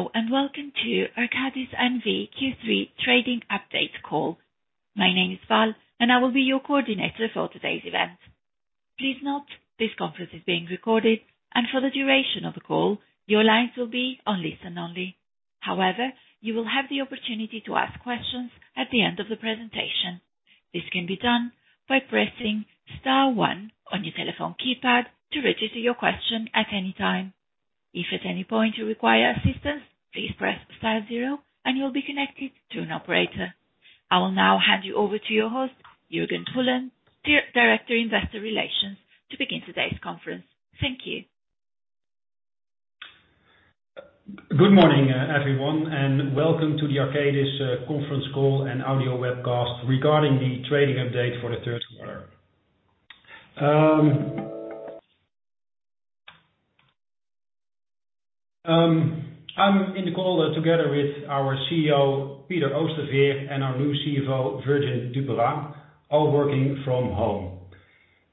Hello, and welcome to Arcadis NV Q3 trading update call. My name is Val, and I will be your coordinator for today's event. Please note, this conference is being recorded, and for the duration of the call, your lines will be on listen only. However, you will have the opportunity to ask questions at the end of the presentation. This can be done by pressing star one on your telephone keypad to register your question at any time. If at any point you require assistance, please press star zero and you'll be connected to an operator. I will now hand you over to your host, Jurgen Pullens, Director, Investor Relations, to begin today's conference. Thank you. Good morning, everyone, and welcome to the Arcadis conference call and audio webcast regarding the trading update for the third quarter. I'm in the call together with our CEO, Peter Oosterveer, and our new CFO, Virginie Duperat-Vergne, all working from home.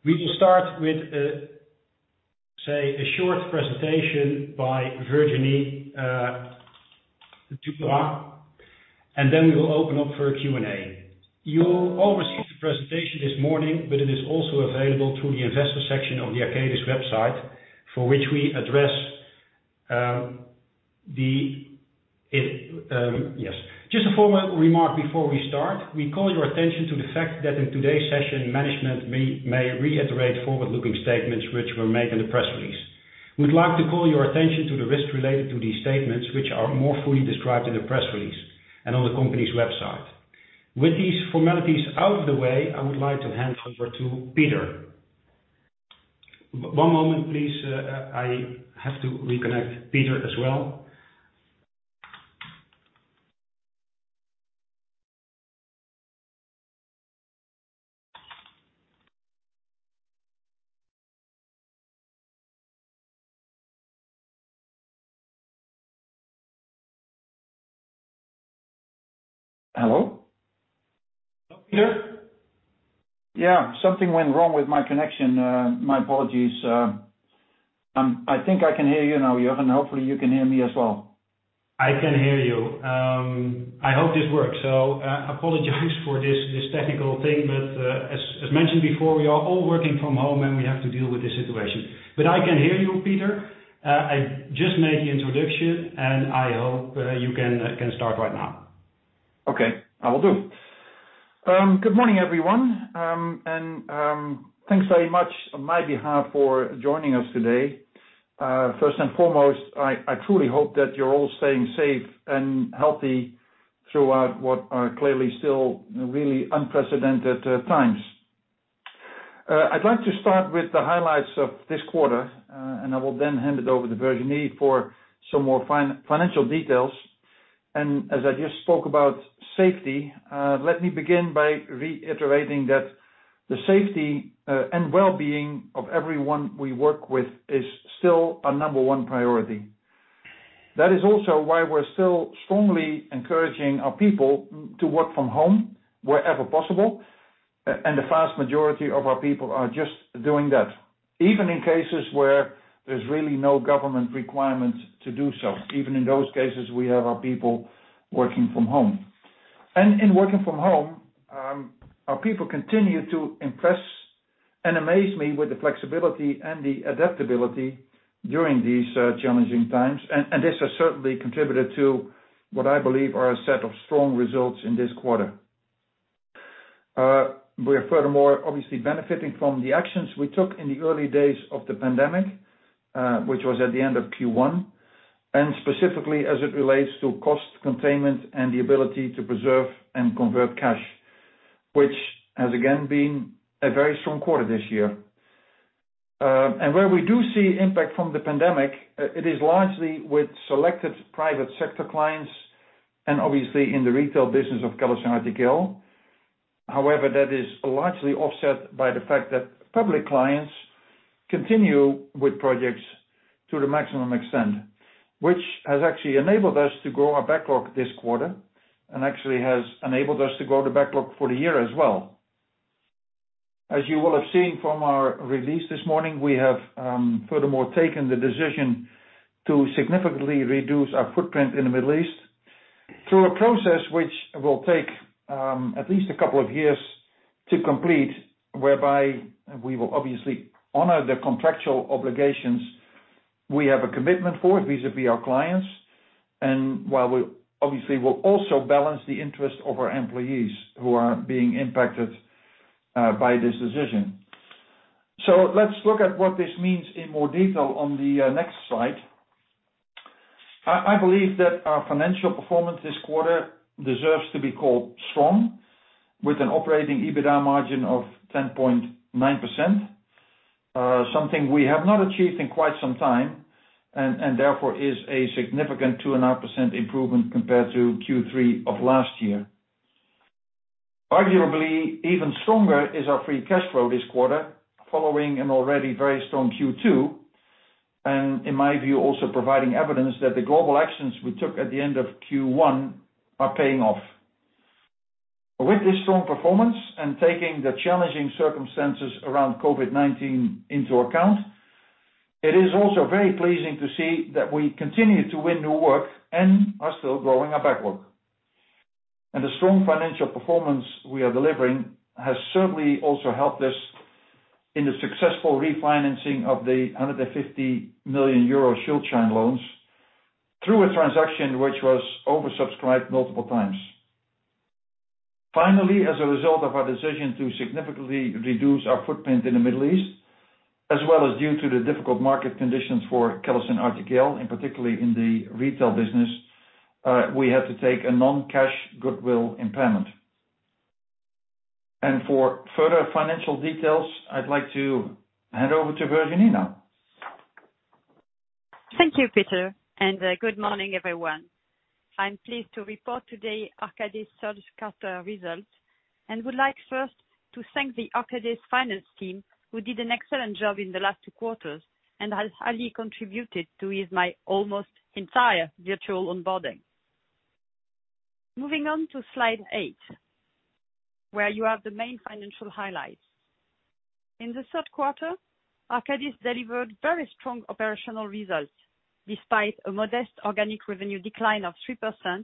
We will start with a short presentation by Virginie Duperat-Vergne, and then we will open up for a Q&A. You all received the presentation this morning, but it is also available through the investor section of the Arcadis website. Just a formal remark before we start. We call your attention to the fact that in today's session, management may reiterate forward-looking statements which were made in the press release. We'd like to call your attention to the risks related to these statements, which are more fully described in the press release and on the company's website. With these formalities out of the way, I would like to hand over to Peter. One moment, please. I have to reconnect Peter as well. Hello? Peter? Yeah. Something went wrong with my connection. My apologies. I think I can hear you now, Jurgen. Hopefully, you can hear me as well. I can hear you. I hope this works. I apologize for this technical thing, but as mentioned before, we are all working from home and we have to deal with this situation. I can hear you, Peter. I just made the introduction. I hope you can start right now. Okay. I will do. Good morning, everyone, and thanks very much on my behalf for joining us today. First and foremost, I truly hope that you're all staying safe and healthy throughout what are clearly still really unprecedented times. I'd like to start with the highlights of this quarter, and I will then hand it over to Virginie for some more financial details. As I just spoke about safety, let me begin by reiterating that the safety and well-being of everyone we work with is still our number one priority. That is also why we're still strongly encouraging our people to work from home wherever possible, and the vast majority of our people are just doing that. Even in cases where there's really no government requirement to do so. Even in those cases, we have our people working from home. In working from home, our people continue to impress and amaze me with the flexibility and the adaptability during these challenging times. This has certainly contributed to what I believe are a set of strong results in this quarter. We are furthermore obviously benefiting from the actions we took in the early days of the pandemic, which was at the end of Q1, and specifically as it relates to cost containment and the ability to preserve and convert cash, which has again been a very strong quarter this year. Where we do see impact from the pandemic, it is largely with selected private sector clients and obviously in the retail business of CallisonRTKL. That is largely offset by the fact that public clients continue with projects to the maximum extent, which has actually enabled us to grow our backlog this quarter, and actually has enabled us to grow the backlog for the year as well. As you will have seen from our release this morning, we have furthermore taken the decision to significantly reduce our footprint in the Middle East through a process which will take at least a couple of years to complete, whereby we will obviously honor the contractual obligations we have a commitment for vis-a-vis our clients, and while we obviously will also balance the interest of our employees who are being impacted by this decision. Let's look at what this means in more detail on the next slide. I believe that our financial performance this quarter deserves to be called strong, with an operating EBITDA margin of 10.9%, something we have not achieved in quite some time, and therefore is a significant 2.5% improvement compared to Q3 of last year. Arguably, even stronger is our free cash flow this quarter, following an already very strong Q2, and in my view also providing evidence that the global actions we took at the end of Q1 are paying off. With this strong performance and taking the challenging circumstances around COVID-19 into account, it is also very pleasing to see that we continue to win new work and are still growing our backlog. The strong financial performance we are delivering has certainly also helped us in the successful refinancing of the 150 million euro Schuldschein loans through a transaction which was oversubscribed multiple times. Finally, as a result of our decision to significantly reduce our footprint in the Middle East, as well as due to the difficult market conditions for CallisonRTKL, and particularly in the retail business, we had to take a non-cash goodwill impairment. For further financial details, I'd like to hand over to Virginie now. Thank you, Peter. Good morning, everyone. I'm pleased to report today Arcadis third quarter results, and would like first to thank the Arcadis finance team, who did an excellent job in the last two quarters, and has highly contributed to ease my almost entire virtual onboarding. Moving on to slide eight, where you have the main financial highlights. In the third quarter, Arcadis delivered very strong operational results, despite a modest organic revenue decline of 3%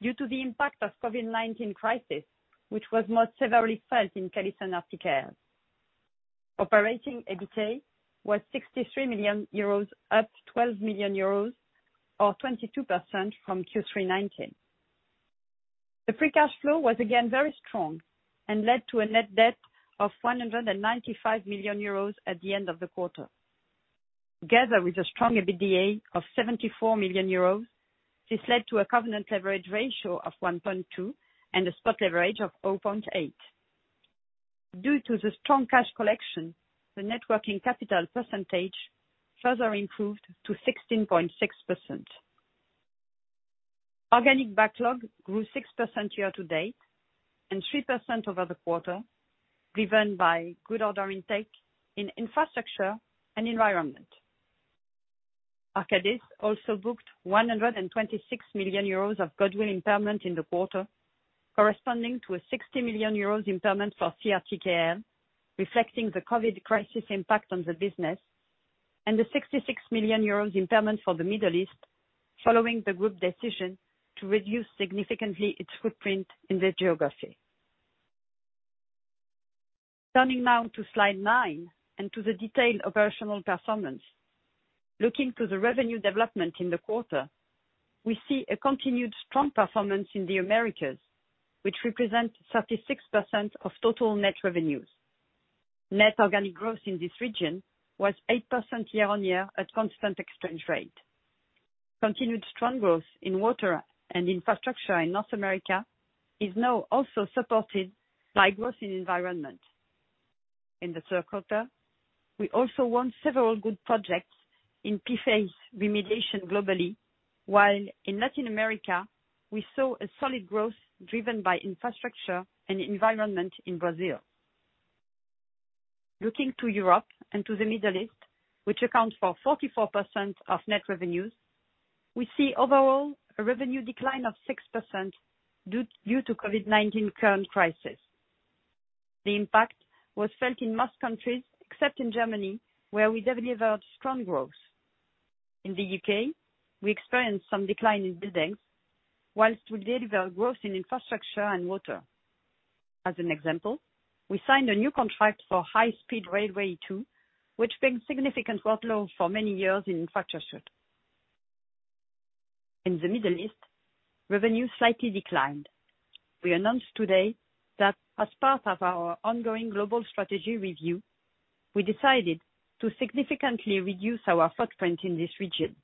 due to the impact of COVID-19 crisis, which was most severely felt in CallisonRTKL. Operating EBITA was 63 million euros, up 12 million euros or 22% from Q3 2019. The free cash flow was again very strong and led to a net debt of 195 million euros at the end of the quarter. Together with a strong EBITDA of 74 million euros, this led to a covenant leverage ratio of 1.2 and a spot leverage of 0.8. Due to the strong cash collection, the net working capital percentage further improved to 16.6%. Organic backlog grew 6% year to date and 3% over the quarter, driven by good order intake in infrastructure and environment. Arcadis also booked 126 million euros of goodwill impairment in the quarter, corresponding to a 60 million euros impairment for CRTKL, reflecting the COVID crisis impact on the business, and a 66 million euros impairment for the Middle East, following the group decision to reduce significantly its footprint in the geography. Turning now to slide nine and to the detailed operational performance. Looking to the revenue development in the quarter, we see a continued strong performance in the Americas, which represent 36% of total net revenues. Net organic growth in this region was 8% year on year at constant exchange rate. Continued strong growth in water and infrastructure in North America is now also supported by growth in environment. In the third quarter, we also won several good projects in PFAS remediation globally, while in Latin America, we saw a solid growth driven by infrastructure and environment in Brazil. Looking to Europe and to the Middle East, which accounts for 44% of net revenues, we see overall a revenue decline of 6% due to COVID-19 current crisis. The impact was felt in most countries, except in Germany, where we delivered strong growth. In the U.K., we experienced some decline in buildings whilst we delivered growth in infrastructure and water. As an example, we signed a new contract for High Speed Rail 2, which brings significant workload for many years in infrastructure. In the Middle East, revenue slightly declined. We announced today that as part of our ongoing global strategy review, we decided to significantly reduce our footprint in this region.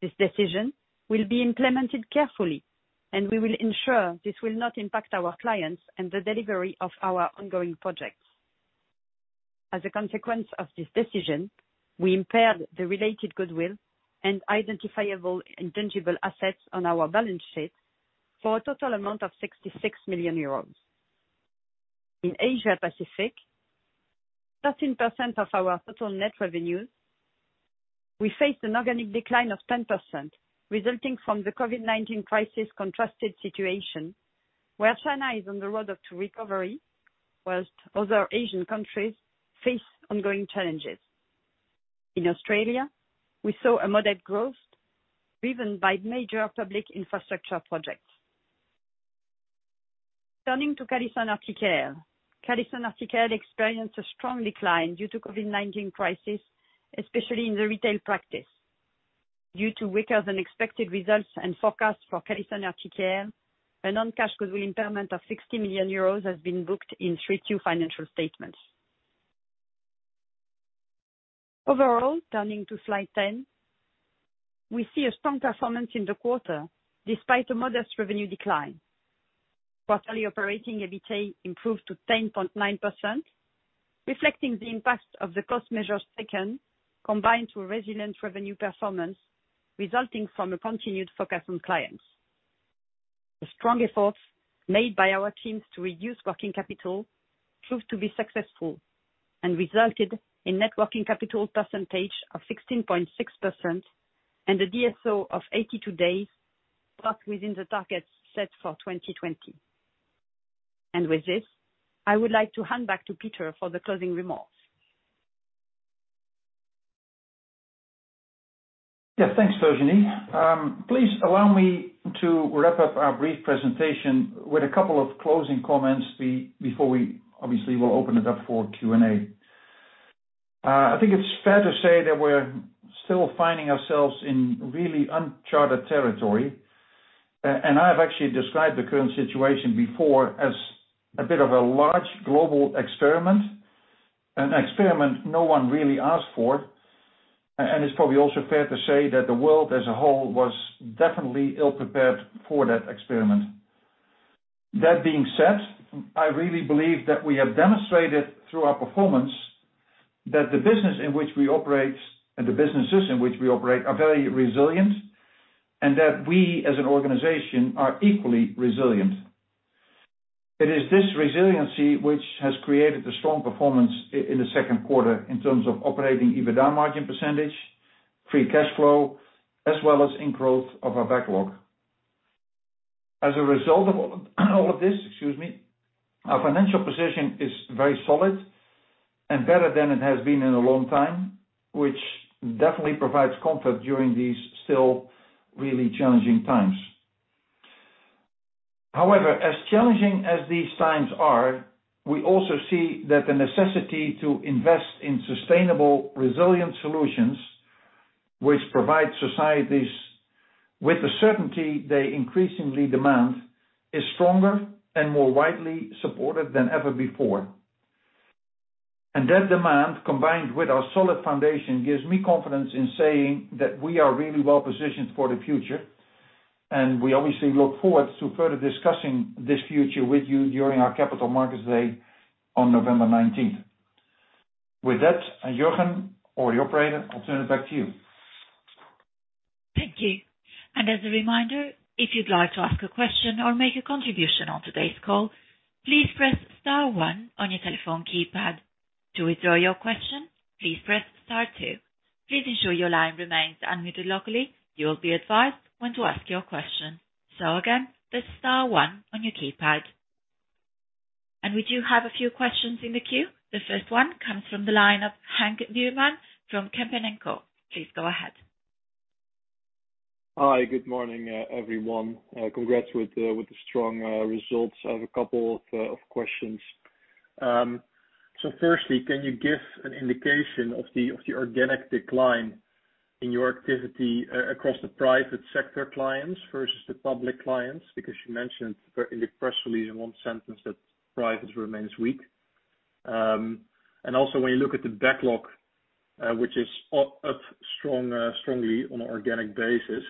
This decision will be implemented carefully, and we will ensure this will not impact our clients and the delivery of our ongoing projects. As a consequence of this decision, we impaired the related goodwill and identifiable intangible assets on our balance sheet for a total amount of 66 million euros. In Asia Pacific, 13% of our total net revenues, we faced an organic decline of 10%, resulting from the COVID-19 crisis contrasted situation, where China is on the road to recovery, whilst other Asian countries face ongoing challenges. In Australia, we saw a moderate growth driven by major public infrastructure projects. Turning to CallisonRTKL. CallisonRTKL experienced a strong decline due to COVID-19 crisis, especially in the retail practice. Due to weaker than expected results and forecasts for CallisonRTKL, a non-cash goodwill impairment of 60 million euros has been booked in Q3 financial statements. Overall, turning to slide 10, we see a strong performance in the quarter, despite a modest revenue decline. Quarterly operating EBITA improved to 10.9%, reflecting the impact of the cost measures taken, combined to a resilient revenue performance resulting from a continued focus on clients. The strong efforts made by our teams to reduce working capital proved to be successful and resulted in net working capital percentage of 16.6% and a DSO of 82 days, both within the targets set for 2020. With this, I would like to hand back to Peter for the closing remarks. Thanks, Virginie. Please allow me to wrap up our brief presentation with a couple of closing comments before we obviously will open it up for Q&A. I think it's fair to say that we're still finding ourselves in really uncharted territory, and I've actually described the current situation before as a bit of a large global experiment. An experiment no one really asked for, and it's probably also fair to say that the world as a whole was definitely ill-prepared for that experiment. That being said, I really believe that we have demonstrated through our performance that the business in which we operate, and the businesses in which we operate, are very resilient, and that we as an organization are equally resilient. It is this resiliency which has created the strong performance in the second quarter in terms of operating EBITDA margin percentage, free cash flow, as well as in growth of our backlog. Result of all of this, excuse me, our financial position is very solid and better than it has been in a long time, which definitely provides comfort during these still really challenging times. As challenging as these times are, we also see that the necessity to invest in sustainable resilient solutions, which provide societies with the certainty they increasingly demand, is stronger and more widely supported than ever before. That demand, combined with our solid foundation, gives me confidence in saying that we are really well positioned for the future, and we obviously look forward to further discussing this future with you during our Capital Markets Day on November 19th. With that, and Jurgen or the operator, I'll turn it back to you. Thank you. As a reminder, if you'd like to ask a question or make a contribution on today's call, please press star one on your telephone keypad. To withdraw your question, please press star two. Please ensure your line remains unmuted locally. You will be advised when to ask your question. Again, press star one on your keypad. We do have a few questions in the queue. The first one comes from the line of Henk Neumann from Kempen & Co. Please go ahead. Hi. Good morning, everyone. Congrats with the strong results. I have a couple of questions. First, can you give an indication of the organic decline in your activity across the private sector clients versus the public clients? You mentioned in the press release in one sentence that private remains weak. When you look at the backlog, which is up strongly on an organic basis,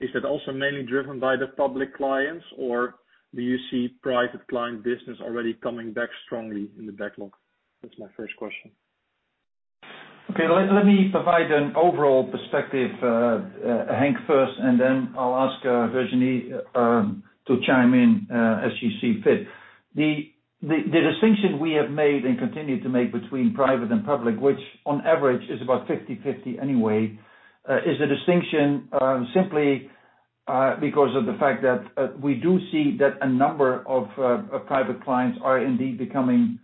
is that also mainly driven by the public clients, or do you see private client business already coming back strongly in the backlog? That's my first question. Okay. Let me provide an overall perspective, Henk, first, and then I'll ask Virginie to chime in as she sees fit. The distinction we have made and continue to make between private and public, which on average is about 50/50 anyway, is a distinction simply because of the fact that we do see that a number of private clients are indeed becoming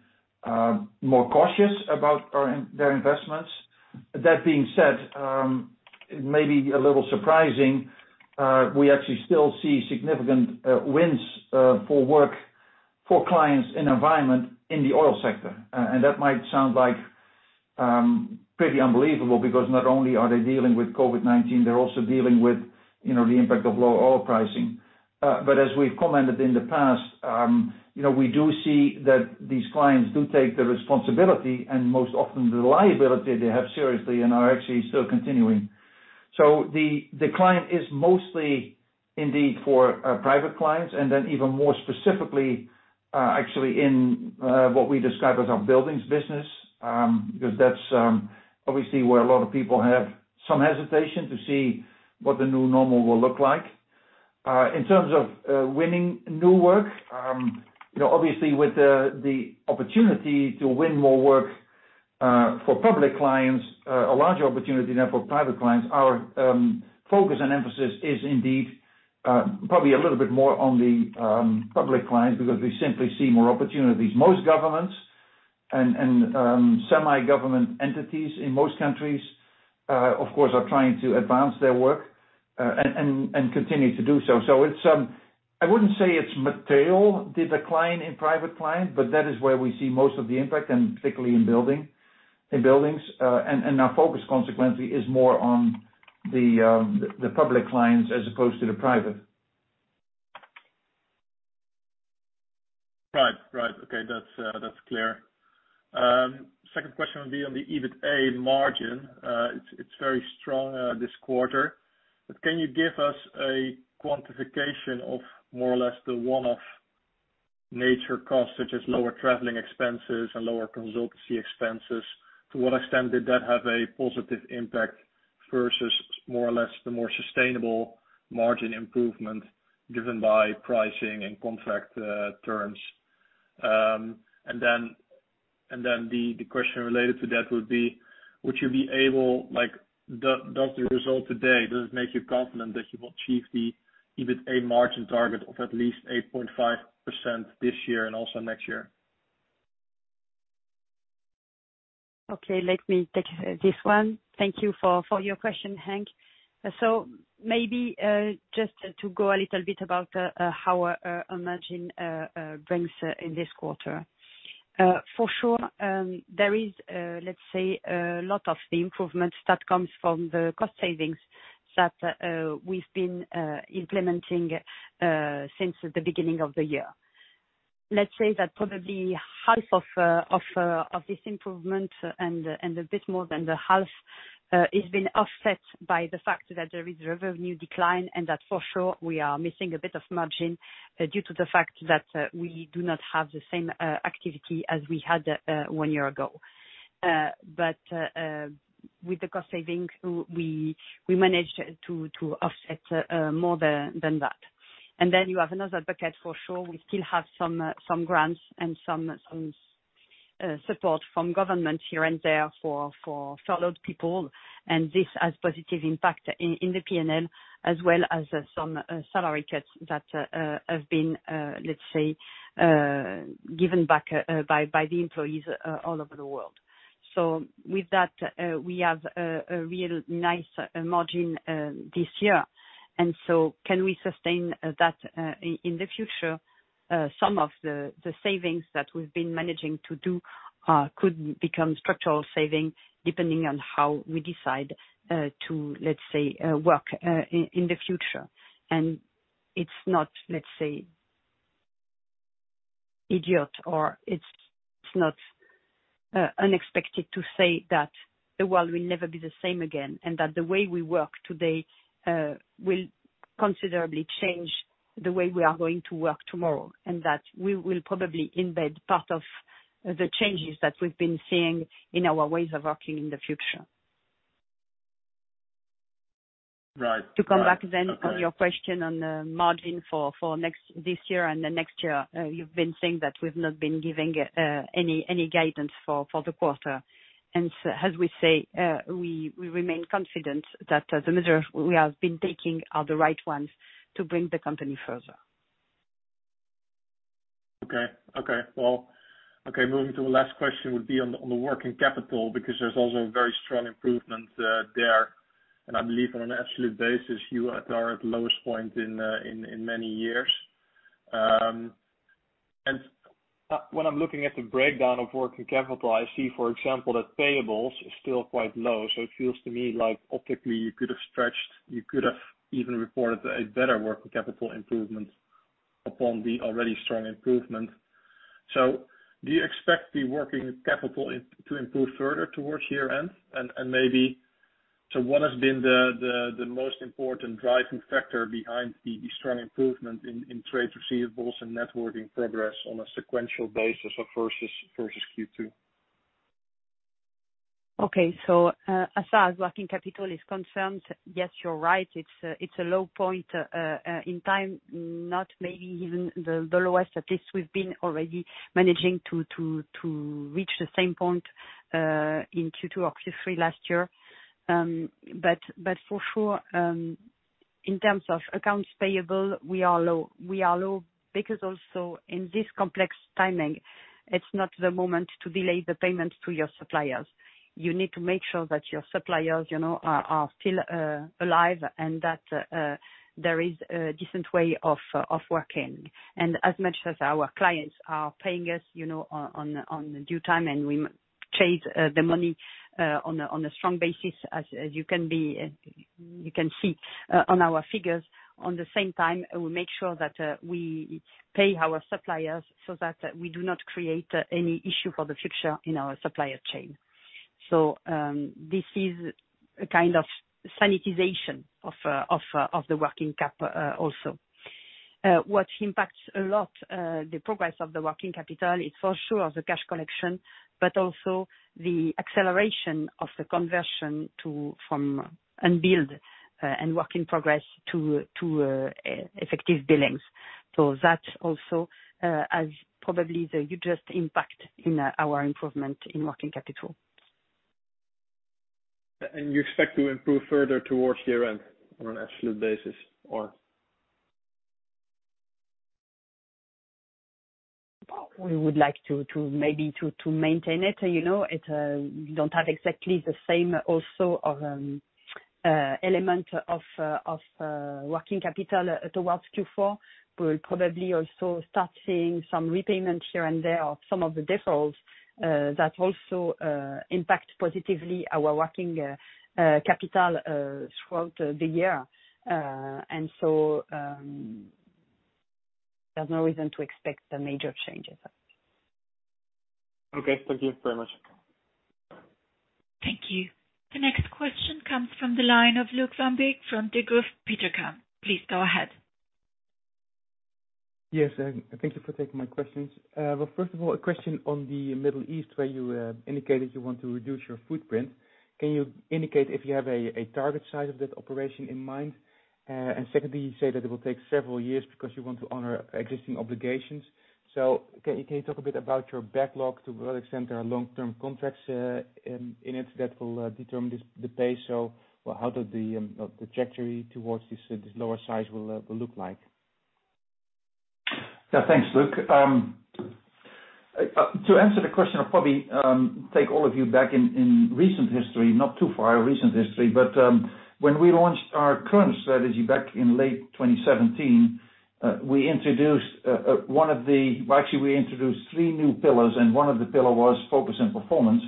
more cautious about their investments. That being said, it may be a little surprising, we actually still see significant wins for work for clients in environment in the oil sector. That might sound pretty unbelievable, because not only are they dealing with COVID-19, they're also dealing with the impact of low oil pricing. As we've commented in the past, we do see that these clients do take the responsibility and most often the liability they have seriously and are actually still continuing. The decline is mostly indeed for private clients and then even more specifically, actually in what we describe as our buildings business, because that's obviously where a lot of people have some hesitation to see what the new normal will look like. In terms of winning new work, obviously with the opportunity to win more work for public clients, a larger opportunity than for private clients, our focus and emphasis is indeed probably a little bit more on the public clients because we simply see more opportunities. Most governments and semi-government entities in most countries, of course, are trying to advance their work and continue to do so. I wouldn't say it's material, the decline in private clients, but that is where we see most of the impact, and particularly in buildings. Our focus consequently, is more on the public clients as opposed to the private. Right. Okay. That's clear. Second question would be on the EBITA margin. It's very strong this quarter. Can you give us a quantification of more or less the one-off nature costs, such as lower traveling expenses and lower consultancy expenses? To what extent did that have a positive impact versus more or less the more sustainable margin improvement given by pricing and contract terms. The question related to that would be, would you be able, does the result today, does it make you confident that you will achieve the EBITA margin target of at least 8.5% this year and also next year? Okay, let me take this one. Thank you for your question, Henk. Maybe just to go a little bit about our margin bridge in this quarter. For sure, there is, let's say, a lot of the improvements that comes from the cost savings that we've been implementing since the beginning of the year. Let's say that probably half of this improvement and a bit more than the half, it's been offset by the fact that there is revenue decline and that for sure we are missing a bit of margin due to the fact that we do not have the same activity as we had one year ago. With the cost saving, we managed to offset more than that. You have another bucket for sure. We still have some grants and some support from government here and there for furloughed people. This has positive impact in the P&L as well as some salary cuts that have been, let's say, given back by the employees all over the world. With that, we have a real nice margin this year. Can we sustain that in the future? Some of the savings that we've been managing to do could become structural savings depending on how we decide to, let's say, work in the future. It's not, let's say, idiot or it's not unexpected to say that the world will never be the same again, and that the way we work today will considerably change the way we are going to work tomorrow, and that we will probably embed part of the changes that we've been seeing in our ways of working in the future. Right. To come back on your question on the margin for this year and the next year, you've been saying that we've not been giving any guidance for the quarter. As we say, we remain confident that the measure we have been taking are the right ones to bring the company further. Okay. Well, moving to the last question would be on the working capital, because there's also a very strong improvement there. I believe on an absolute basis, you are at the lowest point in many years. When I'm looking at the breakdown of working capital, I see, for example, that payable is still quite low. It feels to me like optically you could have stretched, you could have even reported a better working capital improvement upon the already strong improvement. Do you expect the working capital to improve further towards year-end? Maybe, what has been the most important driving factor behind the strong improvement in trade receivables and net working progress on a sequential basis versus Q2? Okay. As far as working capital is concerned, yes, you're right. It's a low point in time, not maybe even the lowest. At least we've been already managing to reach the same point, in Q2 or Q3 last year. For sure, in terms of accounts payable, we are low. We are low because also in this complex timing, it's not the moment to delay the payment to your suppliers. You need to make sure that your suppliers are still alive and that there is a decent way of working. As much as our clients are paying us on the due time and we trade the money on a strong basis as you can see on our figures, at the same time, we make sure that we pay our suppliers so that we do not create any issue for the future in our supplier chain. This is a kind of sanitization of the working cap also. What impacts a lot, the progress of the working capital is for sure the cash collection, but also the acceleration of the conversion to from unbilled, and work in progress to effective billings. That also has probably the hugest impact in our improvement in working capital. You expect to improve further towards year-end on an absolute basis, or? We would like maybe to maintain it. We don't have exactly the same also element of working capital towards Q4. We'll probably also start seeing some repayment here and there of some of the defaults that also impact positively our working capital throughout the year. There's no reason to expect a major change of that. Okay. Thank you very much. Thank you. The next question comes from the line of Luuk van Beek from Degroof Petercam. Please go ahead. Yes. Thank you for taking my questions. Well, first of all, a question on the Middle East where you indicated you want to reduce your footprint. Can you indicate if you have a target size of that operation in mind? Secondly, you say that it will take several years because you want to honor existing obligations. Can you talk a bit about your backlog to what extent are long-term contracts in it that will determine the pace? How does the trajectory towards this lower size will look like? Yeah. Thanks, Luuk. To answer the question, I'll probably take all of you back in recent history, not too far, recent history, when we launched our current strategy back in late 2017, actually we introduced three new pillars and one of the pillar was focus and performance.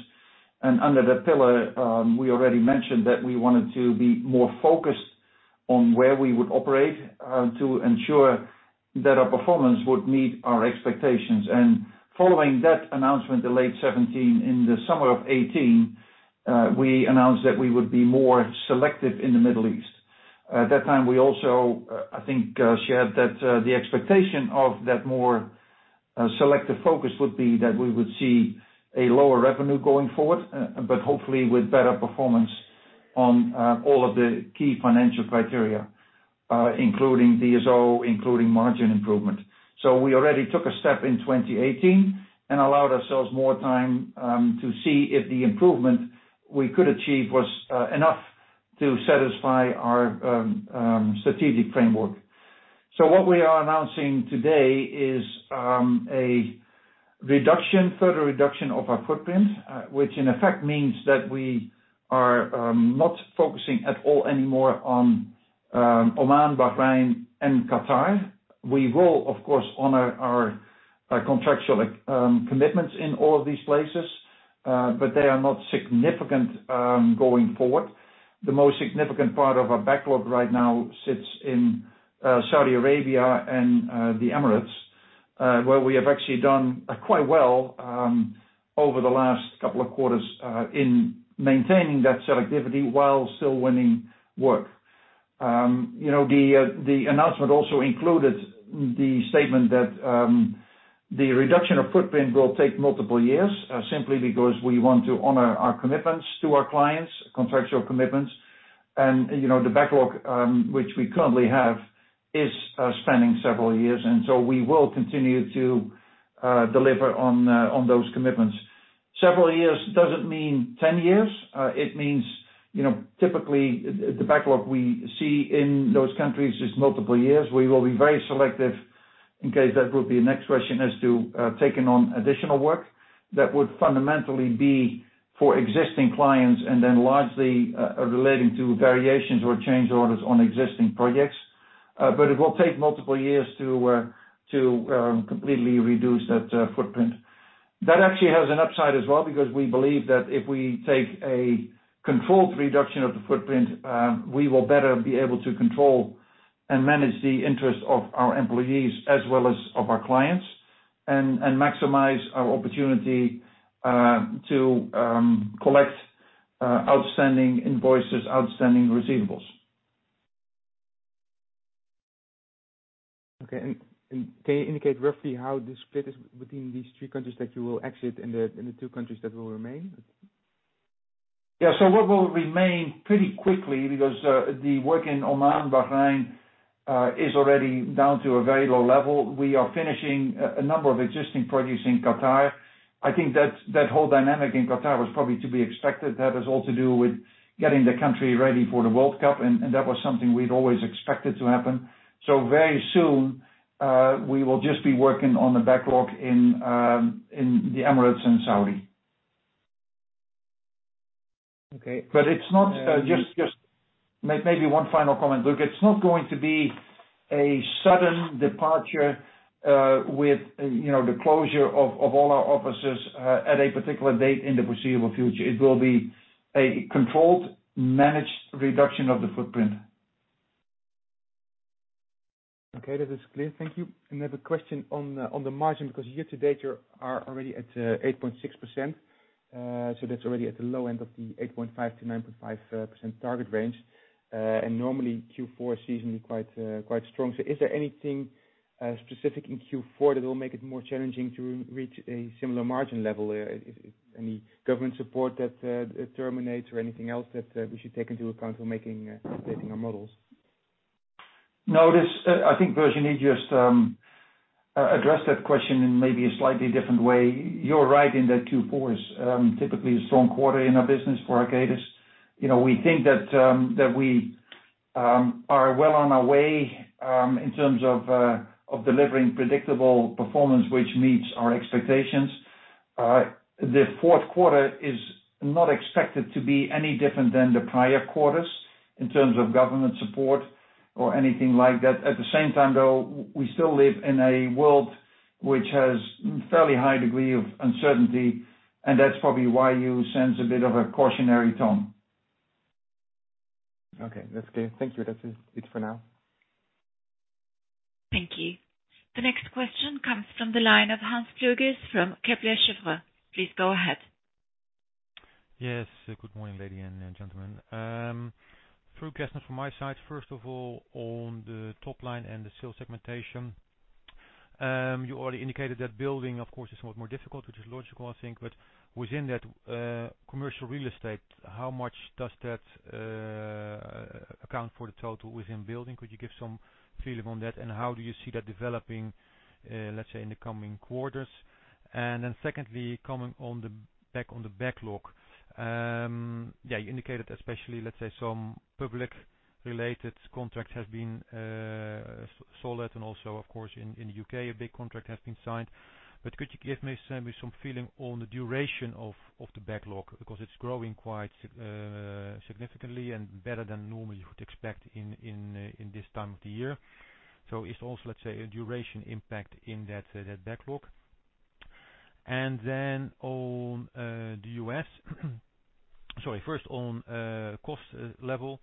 Under that pillar, we already mentioned that we wanted to be more focused on where we would operate, to ensure that our performance would meet our expectations. Following that announcement in late 2017, in the summer of 2018, we announced that we would be more selective in the Middle East. At that time, we also, I think, shared that the expectation of that more selective focus would be that we would see a lower revenue going forward, but hopefully with better performance on all of the key financial criteria, including DSO, including margin improvement. We already took a step in 2018 and allowed ourselves more time to see if the improvement we could achieve was enough to satisfy our strategic framework. What we are announcing today is a further reduction of our footprint, which in effect means that we are not focusing at all anymore on Oman, Bahrain, and Qatar. We will, of course, honor our contractual commitments in all of these places, but they are not significant going forward. The most significant part of our backlog right now sits in Saudi Arabia and the Emirates, where we have actually done quite well over the last couple of quarters in maintaining that selectivity while still winning work. The announcement also included the statement that the reduction of footprint will take multiple years, simply because we want to honor our commitments to our clients, contractual commitments. The backlog, which we currently have, is spanning several years. We will continue to deliver on those commitments. Several years doesn't mean 10 years. It means, typically, the backlog we see in those countries is multiple years. We will be very selective in case that will be a next question as to taking on additional work that would fundamentally be for existing clients and then largely relating to variations or change orders on existing projects. It will take multiple years to completely reduce that footprint. That actually has an upside as well because we believe that if we take a controlled reduction of the footprint, we will better be able to control and manage the interest of our employees as well as of our clients and maximize our opportunity to collect outstanding invoices, outstanding receivables. Okay. Can you indicate roughly how the split is between these three countries that you will exit and the two countries that will remain? Yeah. What will remain pretty quickly, because the work in Oman, Bahrain is already down to a very low level. We are finishing a number of existing projects in Qatar. I think that whole dynamic in Qatar was probably to be expected. That has all to do with getting the country ready for the World Cup, and that was something we'd always expected to happen. Very soon, we will just be working on the backlog in the Emirates and Saudi. Okay. Maybe one final comment, Luuk. It's not going to be a sudden departure with the closure of all our offices at a particular date in the foreseeable future. It will be a controlled, managed reduction of the footprint. Okay. That is clear. Thank you. Another question on the margin, year to date, you are already at 8.6%. That's already at the low end of the 8.5%-9.5% target range. Normally Q4 seasonally quite strong. Is there anything specific in Q4 that will make it more challenging to reach a similar margin level? Any government support that terminates or anything else that we should take into account when updating our models? No. I think Virginie just addressed that question in maybe a slightly different way. You're right in that Q4 is typically a strong quarter in our business for Arcadis. We think that we are well on our way in terms of delivering predictable performance, which meets our expectations. The fourth quarter is not expected to be any different than the prior quarters in terms of government support or anything like that. At the same time, though, we still live in a world which has fairly high degree of uncertainty, and that's probably why you sense a bit of a cautionary tone. Okay. That's clear. Thank you. That's it for now. Thank you. The next question comes from the line of Hans Pluijgers from Kepler Cheuvreux. Please go ahead. Yes. Good morning, lady and gentlemen. Three questions from my side. First of all, on the top line and the sales segmentation, you already indicated that Building, of course, is a lot more difficult, which is logical, I think. Within that commercial real estate, how much does that account for the total within Building? Could you give some feeling on that? How do you see that developing, let's say, in the coming quarters? Secondly, coming back on the backlog. You indicated especially, let's say some public related contracts have been sold, and also of course, in the U.K. a big contract has been signed. Could you give me some feeling on the duration of the backlog because it's growing quite significantly and better than normal you would expect in this time of the year. It's also, let's say, a duration impact in that backlog. On the U.S., sorry. First on cost level,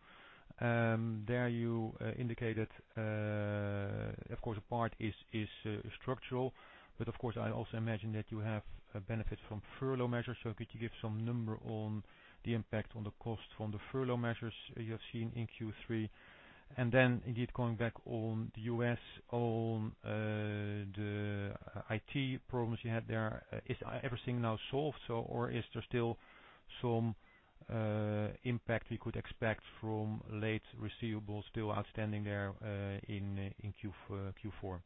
there you indicated of course a part is structural, but of course, I also imagine that you have a benefit from furlough measures. Could you give some number on the impact on the cost from the furlough measures you have seen in Q3? Indeed, going back on the U.S. on the IT problems you had there. Is everything now solved or is there still some impact we could expect from late receivables still outstanding there in Q4?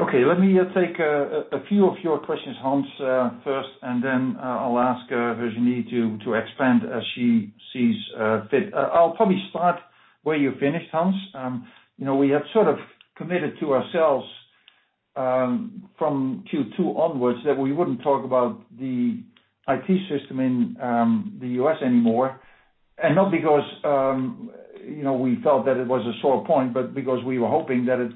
Okay. Let me take a few of your questions, Hans, first, and then I'll ask Virginie to expand as she sees fit. I'll probably start where you finished, Hans. We have sort of committed to ourselves, from Q2 onwards, that we wouldn't talk about the IT system in the U.S. anymore, and not because we felt that it was a sore point, but because we were hoping that it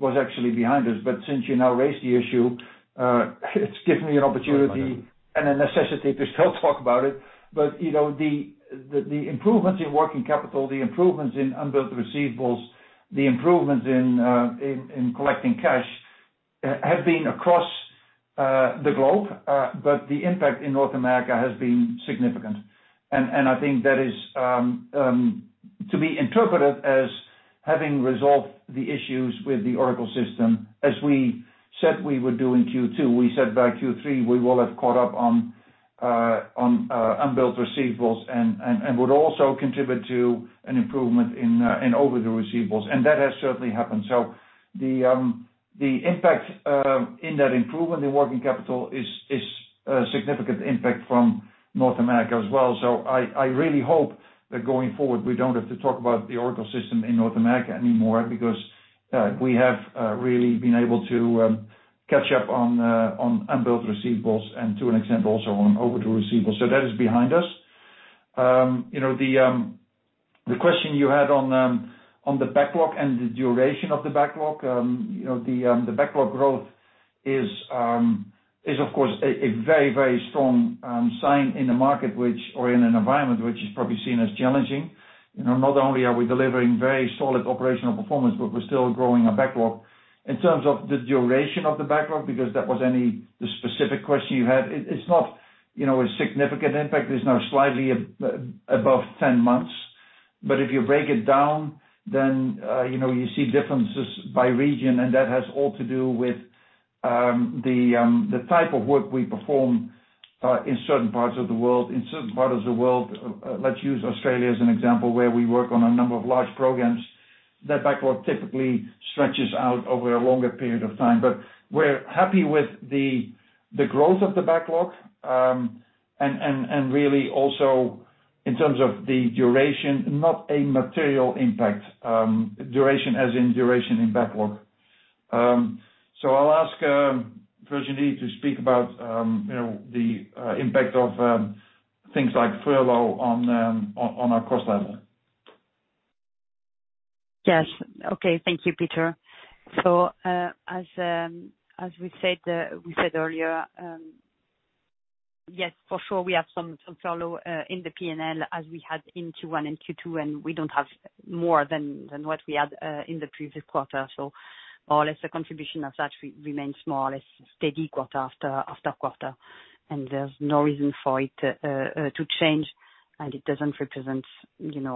was actually behind us. Since you now raised the issue, it's given me an opportunity. Right A necessity to still talk about it. The improvements in working capital, the improvements in unbilled receivables, the improvements in collecting cash have been across the globe. The impact in North America has been significant. I think that is to be interpreted as having resolved the issues with the Oracle system as we said we would do in Q2. We said by Q3 we will have caught up on unbilled receivables and would also contribute to an improvement in overdue receivables. That has certainly happened. The impact in that improvement in working capital is a significant impact from North America as well. I really hope that going forward, we don't have to talk about the Oracle system in North America anymore because we have really been able to catch up on unbilled receivables and to an extent, also on overdue receivables. That is behind us. The question you had on the backlog and the duration of the backlog. The backlog growth is of course a very strong sign in an environment which is probably seen as challenging. Not only are we delivering very solid operational performance, but we're still growing our backlog. In terms of the duration of the backlog, because that was the specific question you had, it's not a significant impact. It's now slightly above 10 months. If you break it down, then you see differences by region, and that has all to do with the type of work we perform in certain parts of the world. In certain parts of the world, let's use Australia as an example, where we work on a number of large programs. That backlog typically stretches out over a longer period of time. We're happy with the growth of the backlog, and really also in terms of the duration, not a material impact, duration as in duration in backlog. I'll ask Virginie to speak about the impact of things like furlough on our cost level. Yes. Okay. Thank you, Peter. As we said earlier, yes, for sure we have some furlough in the P&L as we had in Q1 and Q2, we don't have more than what we had in the previous quarter. More or less, the contribution of that remains more or less steady quarter after quarter. There's no reason for it to change, it doesn't represent even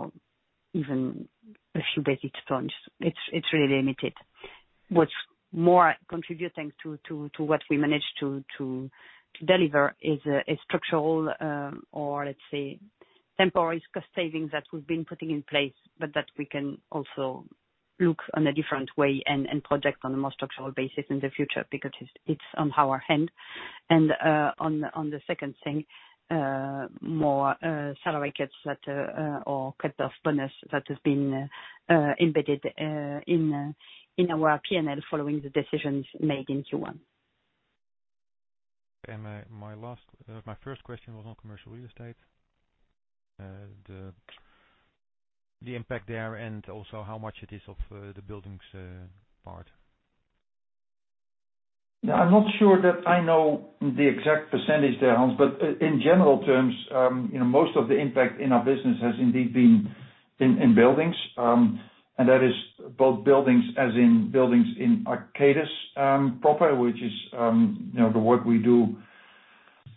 a few basis points. It's really limited. What's more contributing to what we managed to deliver is a structural, or let's say temporary cost savings that we've been putting in place, but that we can also look on a different way and project on a more structural basis in the future because it's on our hand. On the second thing, more salary cuts or cut of bonus that has been embedded in our P&L following the decisions made in Q1. My first question was on commercial real estate, the impact there and also how much it is of the buildings part. I'm not sure that I know the exact percentage there, Hans. In general terms, most of the impact in our business has indeed been in buildings, and that is both buildings as in buildings in Arcadis proper, which is the work we do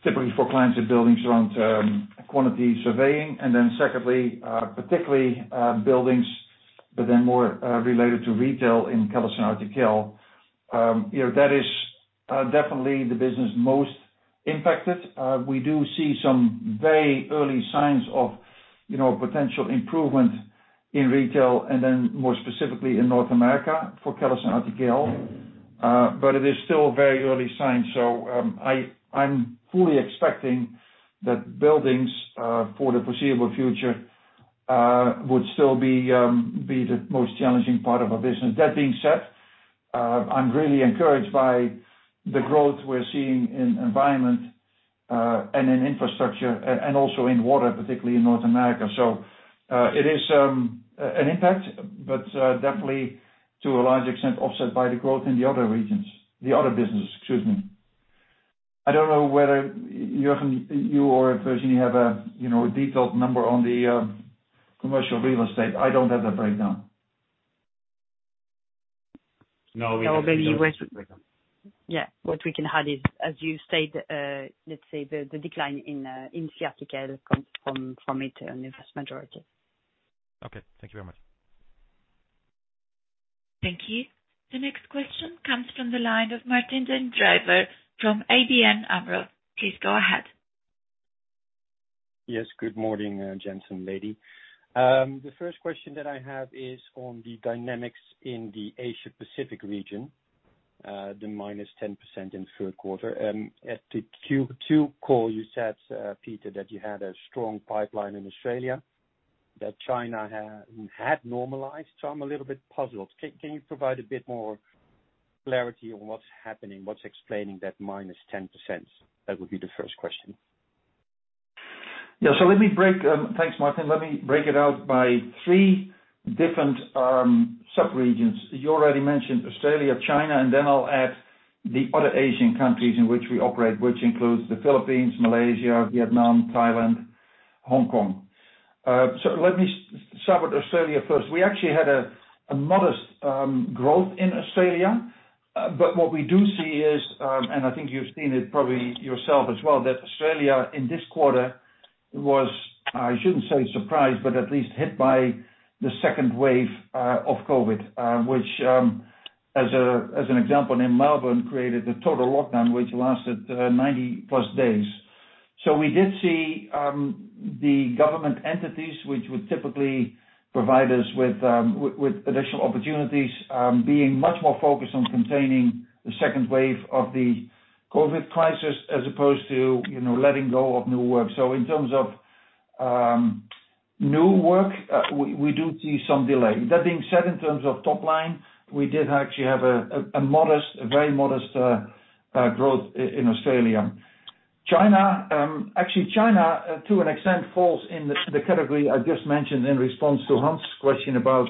typically for clients in buildings around quality surveying, and then second, particularly buildings, but then more related to retail in CallisonRTKL. That is definitely the business most impacted. We do see some very early signs of potential improvement in retail and then more specifically in North America for CallisonRTKL. It is still very early signs. I'm fully expecting that buildings, for the foreseeable future, would still be the most challenging part of our business. That being said, I'm really encouraged by the growth we're seeing in environment and in infrastructure and also in water, particularly in North America. It is an impact, definitely to a large extent, offset by the growth in the other regions, the other business, excuse me. I don't know whether, Jurgen, you or Virginie have a detailed number on the commercial real estate. I don't have that breakdown. No, we don't have the breakdown. Yeah. What we can add is, as you said, let's say the decline in CRTKL comes from it. It was majority. Okay. Thank you very much. Thank you. The next question comes from the line of Martijn den Drijver from ABN AMRO. Please go ahead. Yes. Good morning, gents and lady. The first question that I have is on the dynamics in the Asia-Pacific region, the -10% in the third quarter. At the Q2 call, you said, Peter, that you had a strong pipeline in Australia, that China had normalized. I'm a little bit puzzled. Can you provide a bit more clarity on what's happening, what's explaining that -10%? That would be the first question. Yeah. Thanks, Martijn. Let me break it out by three different sub-regions. You already mentioned Australia, China, and then I'll add the other Asian countries in which we operate, which includes the Philippines, Malaysia, Vietnam, Thailand, Hong Kong. Let me start with Australia first. We actually had a modest growth in Australia. What we do see is, and I think you've seen it probably yourself as well, that Australia, in this quarter, was, I shouldn't say surprised, but at least hit by the second wave of COVID-19. Which, as an example, in Melbourne, created a total lockdown, which lasted 90+ days. We did see the government entities, which would typically provide us with additional opportunities, being much more focused on containing the second wave of the COVID-19 crisis as opposed to letting go of new work. In terms of new work, we do see some delay. That being said, in terms of top line, we did actually have a very modest growth in Australia. China, actually China, to an extent, falls in the category I just mentioned in response to Hans's question about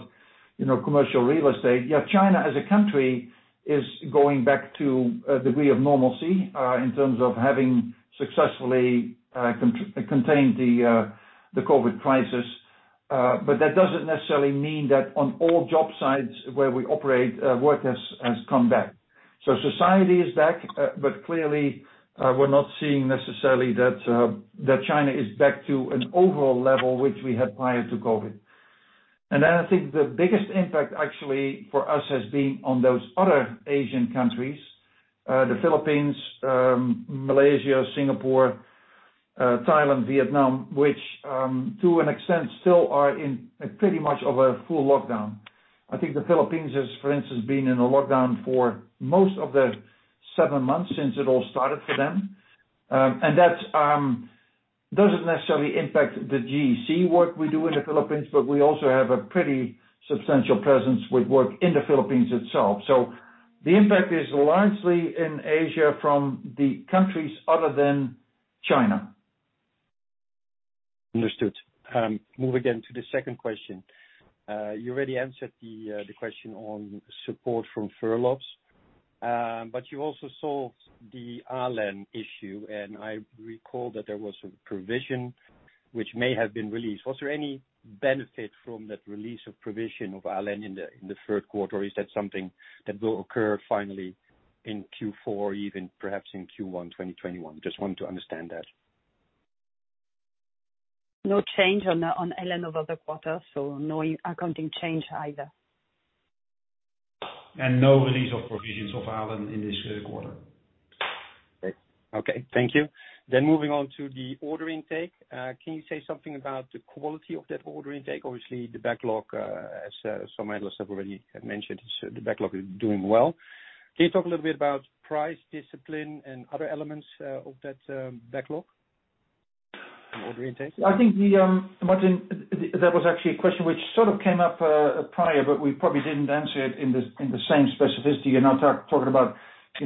commercial real estate. China as a country is going back to a degree of normalcy in terms of having successfully contained the COVID crisis. That doesn't necessarily mean that on all job sites where we operate, work has come back. Society is back, but clearly, we're not seeing necessarily that China is back to an overall level which we had prior to COVID. I think the biggest impact actually for us has been on those other Asian countries, the Philippines, Malaysia, Singapore, Thailand, Vietnam, which to an extent still are in pretty much of a full lockdown. I think the Philippines has, for instance, been in a lockdown for most of the seven months since it all started for them. That doesn't necessarily impact the GEC work we do in the Philippines, but we also have a pretty substantial presence with work in the Philippines itself. The impact is largely in Asia from the countries other than China. Understood. Move again to the second question. You already answered the question on support from furloughs, but you also solved the ALEN issue, and I recall that there was a provision which may have been released. Was there any benefit from that release of provision of ALEN in the third quarter, or is that something that will occur finally in Q4, even perhaps in Q1 2021? Just want to understand that. No change on ALEN over the quarter, no accounting change either. No release of provisions of ALEN in this quarter. Okay. Thank you. Moving on to the order intake. Can you say something about the quality of that order intake? Obviously, the backlog, as some analysts have already mentioned, is doing well. Can you talk a little bit about price discipline and other elements of that backlog and order intake? I think, Martijn, that was actually a question which sort of came up prior, but we probably didn't answer it in the same specificity. You're now talking about,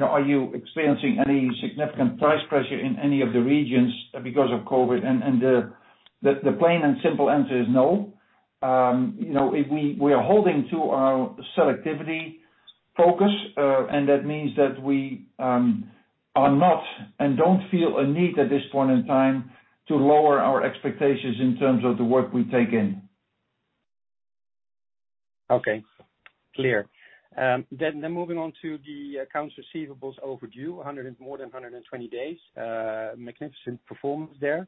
are you experiencing any significant price pressure in any of the regions because of COVID-19? The plain and simple answer is no. We are holding to our selectivity focus, and that means that we are not and don't feel a need at this point in time to lower our expectations in terms of the work we take in. Okay, clear. Moving on to the accounts receivables overdue more than 120 days. Magnificent performance there.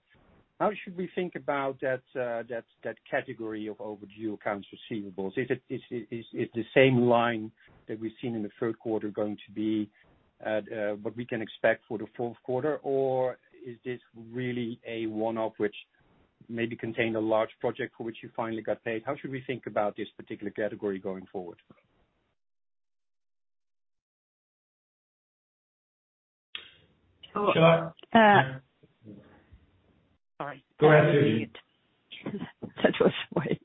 How should we think about that category of overdue accounts receivables? Is the same line that we've seen in the third quarter going to be what we can expect for the fourth quarter, or is this really a one-off, which maybe contained a large project for which you finally got paid? How should we think about this particular category going forward? Sure. Sorry. Go ahead. That was weird.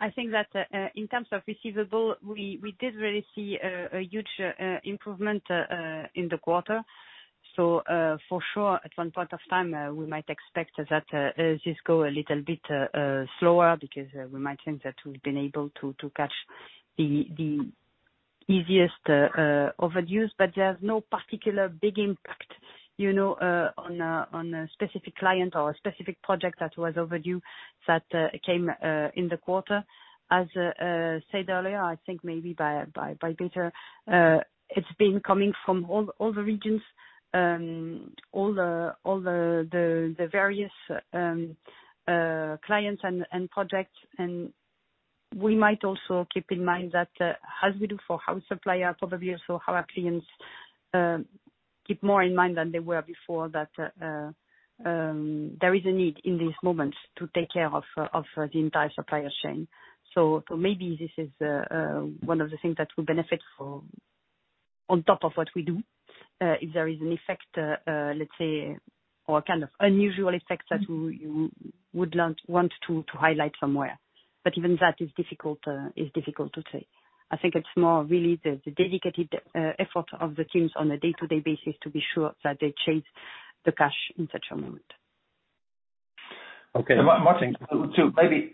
I think that in terms of receivable, we did really see a huge improvement in the quarter. For sure at one point of time, we might expect that this go a little bit slower because we might think that we've been able to catch the easiest overdues. There's no particular big impact on a specific client or a specific project that was overdue that came in the quarter. As said earlier, I think maybe by Peter, it's been coming from all the regions, all the various clients and projects. We might also keep in mind that as we do for our supplier, probably also our clients keep more in mind than they were before that there is a need in these moments to take care of the entire supplier chain. Maybe this is one of the things that will benefit on top of what we do, if there is an effect, let's say, or kind of unusual effect that you would want to highlight somewhere. Even that is difficult to say. I think it's more really the dedicated effort of the teams on a day-to-day basis to be sure that they chase the cash in such a moment. Okay. Martijn,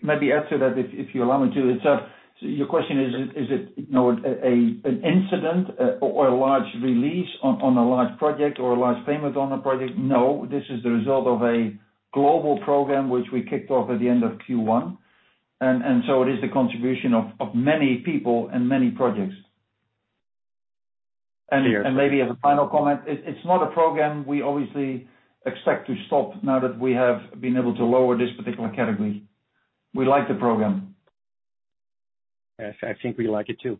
maybe add to that if you allow me to. Your question, is it an incident or a large release on a large project or a large payment on a project? No, this is the result of a global program which we kicked off at the end of Q1. It is the contribution of many people and many projects. Clear. Maybe as a final comment, it's not a program we obviously expect to stop now that we have been able to lower this particular category. We like the program. Yes. I think we like it, too.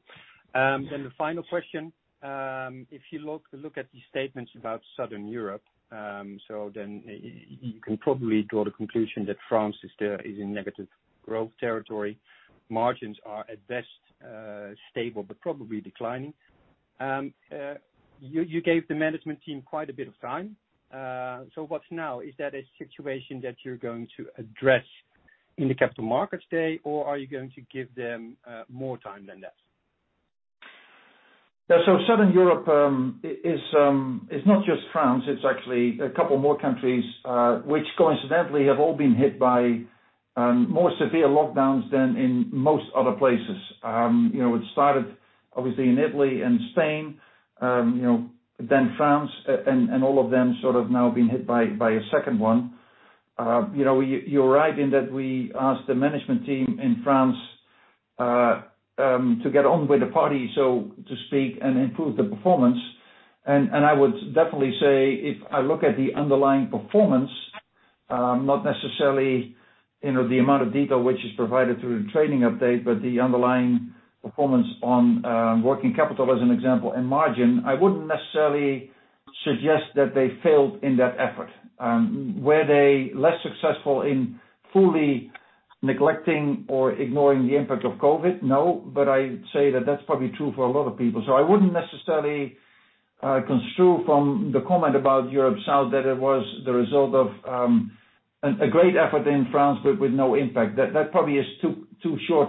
The final question, if you look at the statements about Southern Europe, you can probably draw the conclusion that France is in negative growth territory. Margins are at best stable, but probably declining. You gave the management team quite a bit of time. What now? Is that a situation that you're going to address in the Capital Markets Day, or are you going to give them more time than that? Yeah. Southern Europe is not just France. It's actually a couple more countries, which coincidentally have all been hit by more severe lockdowns than in most other places. It started obviously in Italy and Spain, then France, and all of them sort of now been hit by a second one. You're right in that we asked the management team in France to get on with the party, so to speak, and improve the performance. I would definitely say, if I look at the underlying performance, not necessarily the amount of detail which is provided through the trading update, but the underlying performance on working capital as an example and margin, I wouldn't necessarily suggest that they failed in that effort. Were they less successful in fully neglecting or ignoring the impact of COVID-19? No. I'd say that that's probably true for a lot of people. I wouldn't necessarily construe from the comment about Europe South that it was the result of a great effort in France, but with no impact. That probably is too short,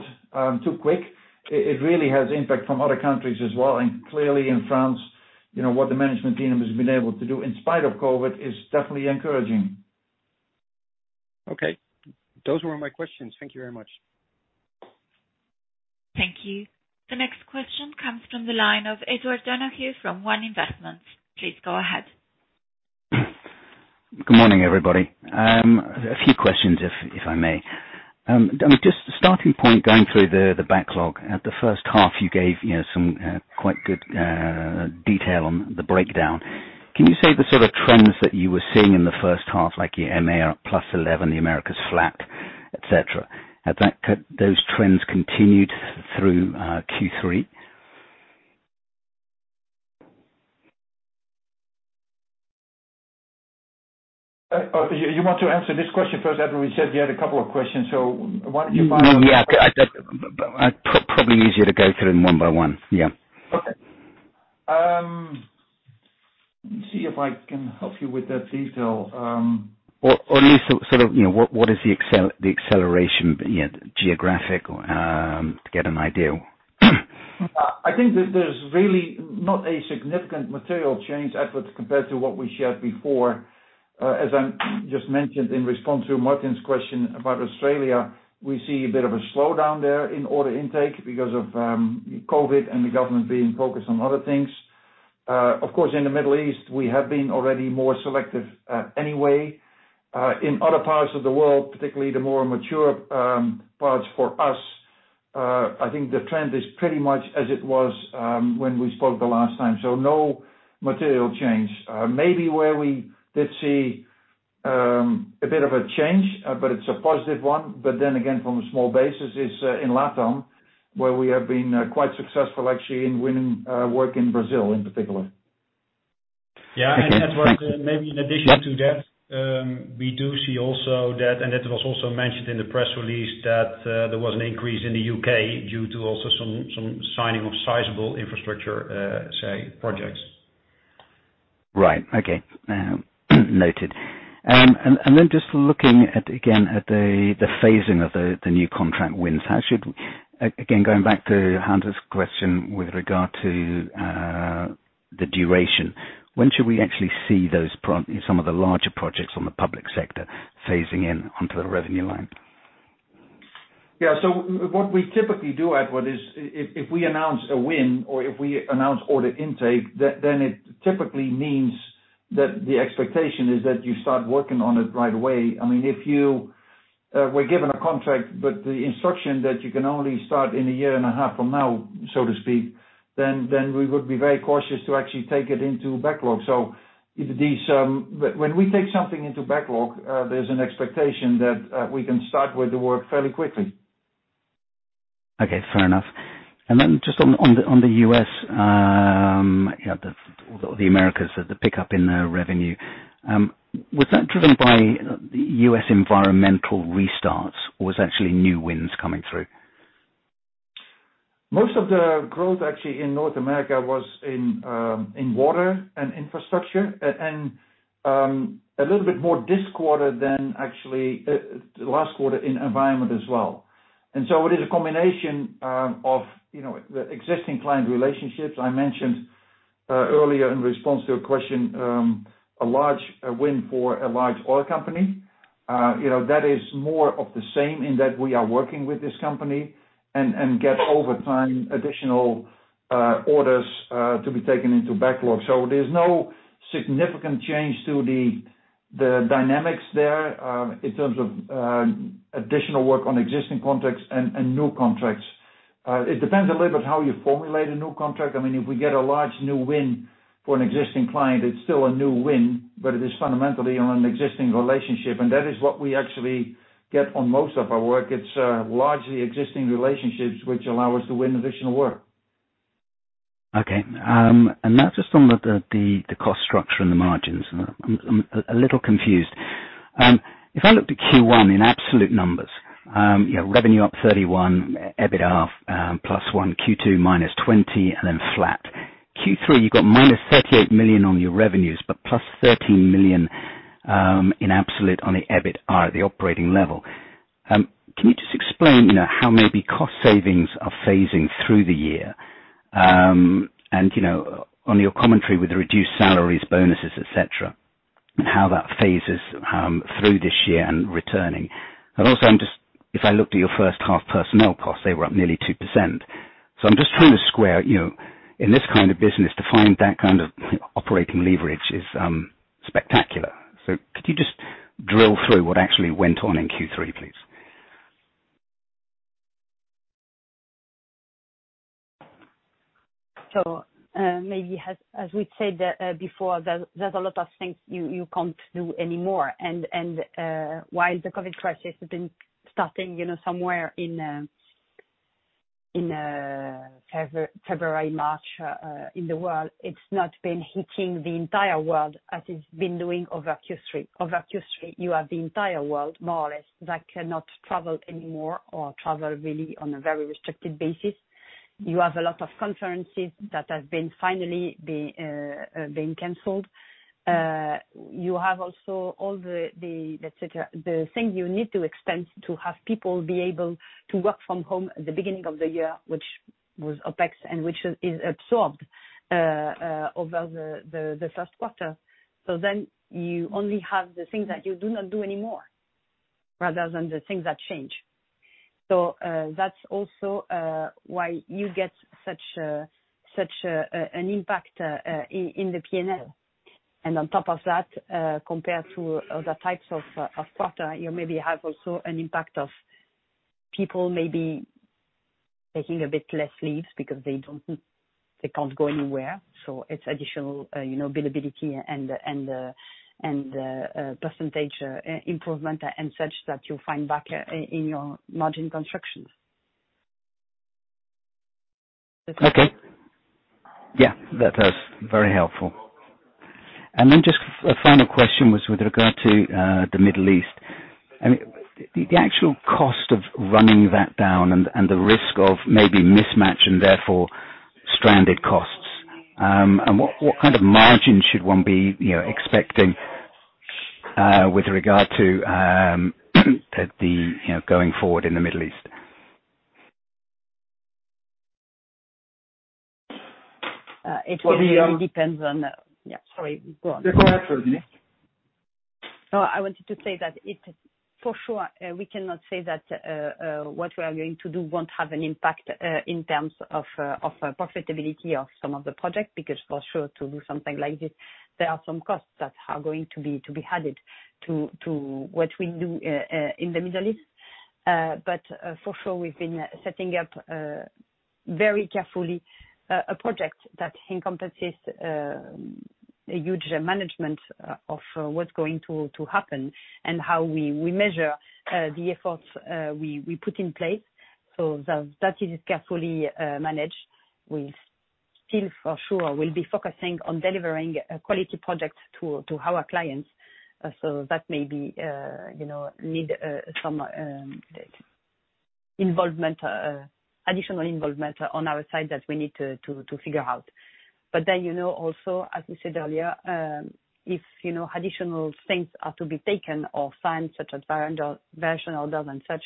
too quick. It really has impact from other countries as well. Clearly in France, what the management team has been able to do in spite of COVID is definitely encouraging. Okay. Those were my questions. Thank you very much. Thank you. The next question comes from the line of Edward Donahue from One Investments. Please go ahead. Good morning, everybody. A few questions, if I may. Just a starting point going through the backlog. At the first half, you gave some quite good detail on the breakdown. Can you say the sort of trends that you were seeing in the first half, like your EMEA at +11%, the Americas flat, et cetera? Have those trends continued through Q3? You want to answer this question first, Edward? We said you had a couple of questions, so why don't you fire away? Yeah. Probably easier to go through them one by one. Yeah. Okay. Let me see if I can help you with that detail. Or at least sort of what is the acceleration geographic to get an idea? I think that there's really not a significant material change, Edward, compared to what we shared before. As I just mentioned in response to Martijn's question about Australia, we see a bit of a slowdown there in order intake because of COVID and the government being focused on other things. In the Middle East, we have been already more selective anyway. In other parts of the world, particularly the more mature parts for us, I think the trend is pretty much as it was when we spoke the last time. No material change. Maybe where we did see a bit of a change, but it's a positive one, but then again, from a small basis, is in Latin, where we have been quite successful actually in winning work in Brazil, in particular. Yeah, Edward, maybe in addition to that, we do see also that. It was also mentioned in the press release that there was an increase in the U.K. due to also some signing of sizable infrastructure, say, projects. Right. Okay. Noted. Just looking again at the phasing of the new contract wins. Again, going back to Han's question with regard to the duration, when should we actually see some of the larger projects on the public sector phasing in onto the revenue line? Yeah. What we typically do, Edward, is if we announce a win or if we announce order intake, then it typically means that the expectation is that you start working on it right away. If you were given a contract, the instruction that you can only start in a year and a half from now, so to speak, then we would be very cautious to actually take it into backlog. When we take something into backlog, there's an expectation that we can start with the work fairly quickly. Okay. Fair enough. Just on the U.S., the Americas, the pickup in the revenue, was that driven by U.S. environmental restarts or was actually new wins coming through? Most of the growth actually in North America was in water and infrastructure, and a little bit more this quarter than actually last quarter in environment as well. It is a combination of the existing client relationships. I mentioned earlier in response to a question, a large win for a large oil company. That is more of the same in that we are working with this company and get over time additional orders to be taken into backlog. There's no significant change to the dynamics there in terms of additional work on existing contracts and new contracts. It depends a little bit how you formulate a new contract. If we get a large new win for an existing client, it's still a new win, but it is fundamentally on an existing relationship. That is what we actually get on most of our work. It's largely existing relationships which allow us to win additional work. Okay. Now just on the cost structure and the margins, I'm a little confused. If I looked at Q1 in absolute numbers, revenue up 31, EBITDA plus one, Q2 -20, and then flat. Q3, you got minus 38 million on your revenues, but plus 13 million in absolute on the EBITDA at the operating level. Can you just explain how maybe cost savings are phasing through the year? On your commentary with the reduced salaries, bonuses, et cetera, and how that phases through this year and returning. Also, if I looked at your first half personnel costs, they were up nearly 2%. I'm just trying to square, in this kind of business, to find that kind of operating leverage is spectacular. Could you just drill through what actually went on in Q3, please? Maybe as we said before, there's a lot of things you can't do anymore. While the COVID-19 crisis has been starting somewhere in February, March in the world, it's not been hitting the entire world as it's been doing over Q3. Over Q3, you have the entire world, more or less, that cannot travel anymore or travel really on a very restricted basis. You have a lot of conferences that have been finally being canceled. You have also all the thing you need to expense to have people be able to work from home at the beginning of the year, which was OPEX and which is absorbed over the first quarter. Then you only have the things that you do not do anymore rather than the things that change. That's also why you get such an impact in the P&L. On top of that, compared to other types of quarter, you maybe have also an impact of people maybe taking a bit less leaves because they can't go anywhere. It's additional billability and percentage improvement and such that you'll find back in your margin constructions. Okay. Yeah. That's very helpful. Just a final question was with regard to the Middle East. The actual cost of running that down and the risk of maybe mismatch and therefore stranded costs. What kind of margin should one be expecting with regard to going forward in the Middle East? It really depends on Yeah, sorry. Go on. Go ahead, Virginie. I wanted to say that for sure, we cannot say that what we are going to do won't have an impact in terms of profitability of some of the projects because for sure to do something like this, there are some costs that are going to be added to what we do in the Middle East. For sure, we've been setting up very carefully a project that encompasses a huge management of what's going to happen and how we measure the efforts we put in place. That is carefully managed. We still, for sure, will be focusing on delivering quality projects to our clients. That may need some additional involvement on our side that we need to figure out. Also as we said earlier, if additional things are to be taken or signed, such as variation orders and such,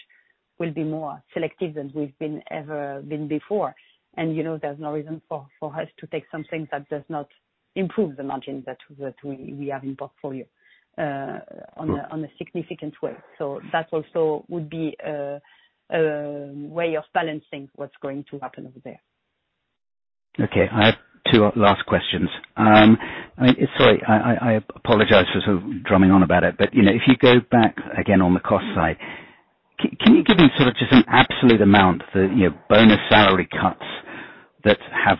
we'll be more selective than we've ever been before. There's no reason for us to take something that does not improve the margin that we have in portfolio on a significant way. That also would be a way of balancing what's going to happen over there. Okay. I have two last questions. Sorry, I apologize for sort of drumming on about it. If you go back again on the cost side, can you give me sort of just an absolute amount for bonus salary cuts that have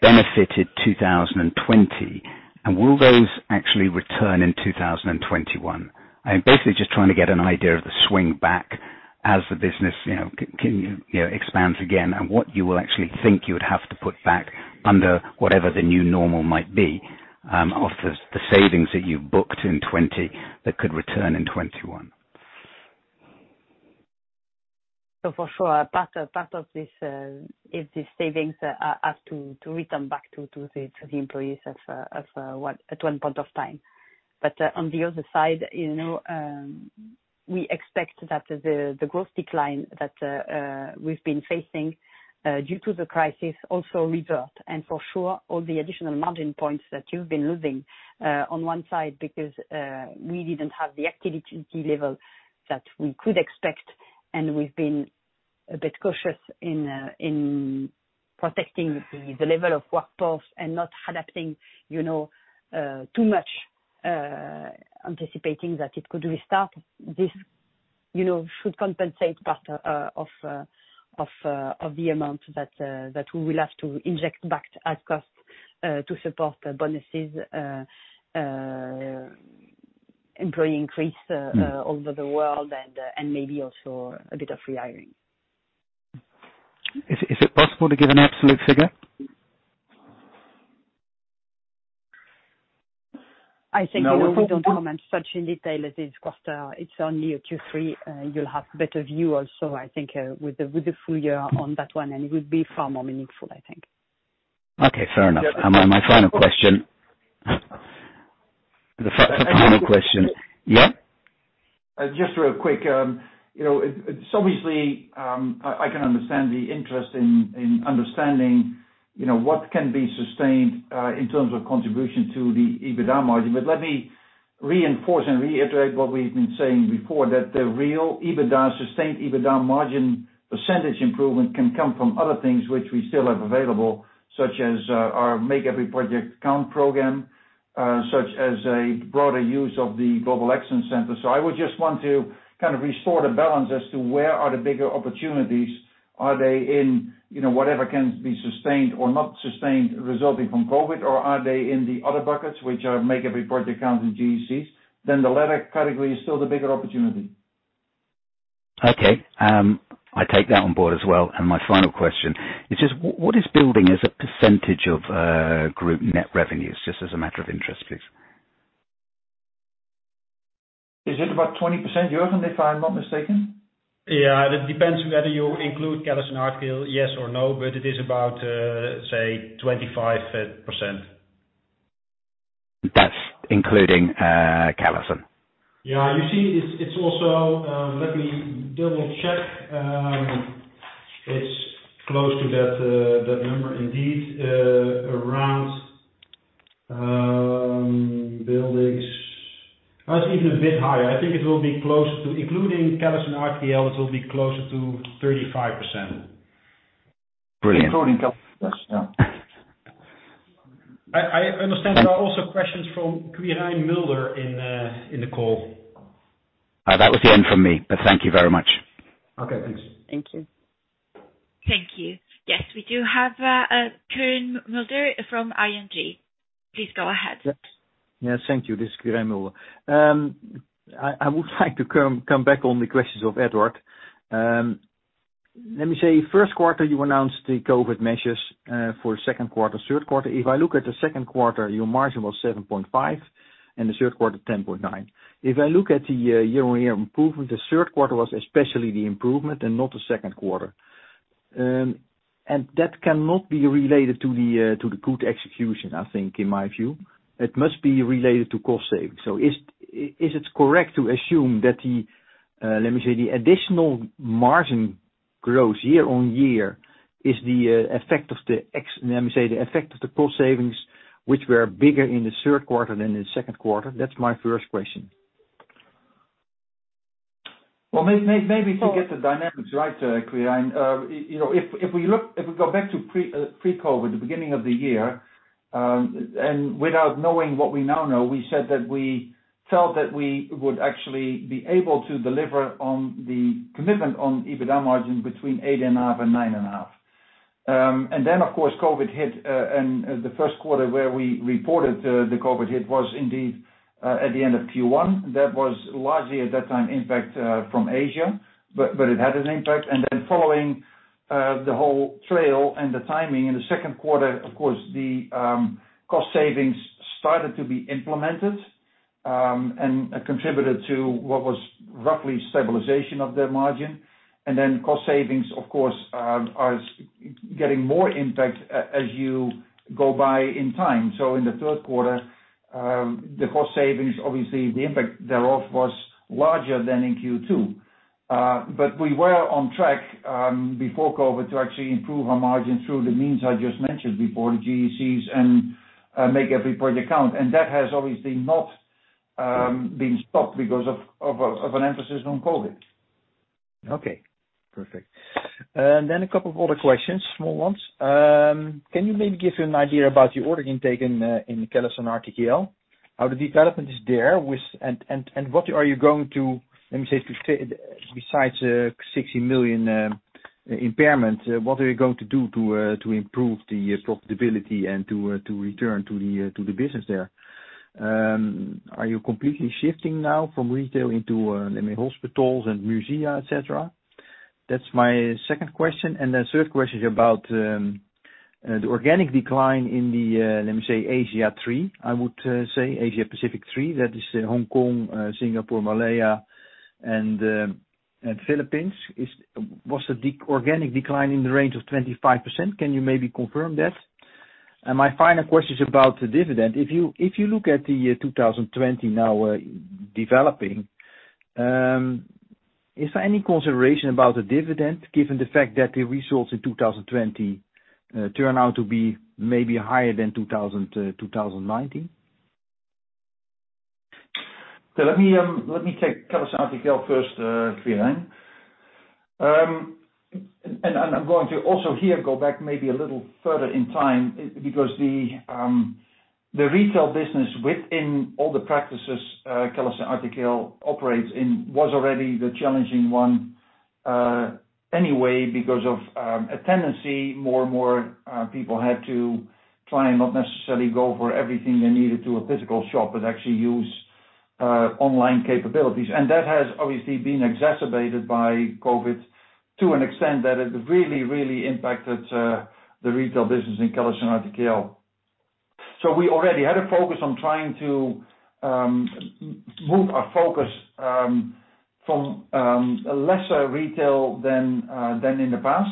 benefited 2020, and will those actually return in 2021? I'm basically just trying to get an idea of the swing back as the business expands again, and what you will actually think you would have to put back under whatever the new normal might be of the savings that you've booked in 2020 that could return in 2021. For sure, part of this is the savings have to return back to the employees at one point of time. On the other side, we expect that the growth decline that we've been facing due to the crisis also revert. For sure, all the additional margin points that you've been losing on one side because we didn't have the activity level that we could expect, and we've been a bit cautious in protecting the level of workforce and not adapting too much, anticipating that it could restart this should compensate part of the amount that we will have to inject back as cost to support the bonuses, employee increase over the world and maybe also a bit of re-hiring. Is it possible to give an absolute figure? I think we don't comment such in detail as this quarter. It's only a Q3. You'll have better view also, I think, with the full year on that one, and it will be far more meaningful, I think. Okay, fair enough. My final question. Yep. Just real quick. Obviously, I can understand the interest in understanding what can be sustained in terms of contribution to the EBITDA margin. Let me reinforce and reiterate what we've been saying before, that the real EBITDA, sustained EBITDA margin percentage improvement can come from other things which we still have available, such as our Make Every Project Count program, such as a broader use of the Global Excellence Center. I would just want to kind of restore the balance as to where are the bigger opportunities. Are they in whatever can be sustained or not sustained resulting from COVID, or are they in the other buckets, which are Make Every Project Count and GECs? The latter category is still the bigger opportunity. Okay. I take that on board as well. My final question is just what is building as a percentage of group net revenues, just as a matter of interest, please? Is it about 20%, Jurgen, if I'm not mistaken? Yeah. It depends whether you include CallisonRTKL, yes or no, but it is about, say, 25%. That's including Callison? Yeah. You see, Let me double-check. It's close to that number, indeed. Around buildings It's even a bit higher. Including CallisonRTKL, it will be closer to 35%. Brilliant. Including Callison, yes. I understand there are also questions from Quirijn Mulder in the call. That was the end from me. Thank you very much. Okay, thanks. Thank you. Thank you. Yes, we do have Quirijn Mulder from ING. Please go ahead. Yes. Thank you. This is Quirijn Mulder. I would like to come back on the questions of Edward. Let me say, first quarter, you announced the COVID measures for second quarter, third quarter. If I look at the second quarter, your margin was 7.5, and the third quarter, 10.9. If I look at the year-on-year improvement, the third quarter was especially the improvement and not the second quarter. That cannot be related to the good execution, I think, in my view. It must be related to cost savings. Is it correct to assume that the, let me say, the additional margin grows year-on-year is the effect of the, let me say, the effect of the cost savings, which were bigger in the third quarter than the second quarter. That's my first question. Maybe to get the dynamics right, Quirijn, if we go back to pre-COVID, the beginning of the year, and without knowing what we now know, we said that we felt that we would actually be able to deliver on the commitment on EBITDA margin between 8.5% and 9.5%. Of course, COVID hit, and the first quarter where we reported the COVID hit was indeed at the end of Q1. That was largely at that time, impact from Asia, but it had an impact. Following the whole trail and the timing in the second quarter, of course, the cost savings started to be implemented, and contributed to what was roughly stabilization of the margin. Cost savings, of course, are getting more impact as you go by in time. In the third quarter, the cost savings, obviously, the impact thereof was larger than in Q2. We were on track, before COVID, to actually improve our margin through the means I just mentioned before, the GECs and Make Every Project Count. That has obviously not been stopped because of an emphasis on COVID. Okay, perfect. A couple of other questions, small ones. Can you maybe give an idea about your order intake in CallisonRTKL? How the development is there, and what are you going to, let me say, besides 60 million impairment, what are you going to do to improve the profitability and to return to the business there? Are you completely shifting now from retail into, let me, hospitals and musea, et cetera? That's my second question. The third question about the organic decline in the, let me say, Asia three, I would say Asia Pacific three, that is Hong Kong, Singapore, Malaya and Philippines. Was the organic decline in the range of 25%? Can you maybe confirm that? My final question is about the dividend. If you look at the year 2020 now developing, is there any consideration about the dividend given the fact that the results in 2020 turn out to be maybe higher than 2019? Let me take CallisonRTKL first, Quirijn. I'm going to also here go back maybe a little further in time because the retail business within all the practices CallisonRTKL operates in was already the challenging one anyway, because of a tendency, more and more people had to try and not necessarily go for everything they needed to a physical shop, but actually use online capabilities. That has obviously been exacerbated by COVID-19 to an extent that it really impacted the retail business in CallisonRTKL. We already had a focus on trying to move our focus from a lesser retail than in the past.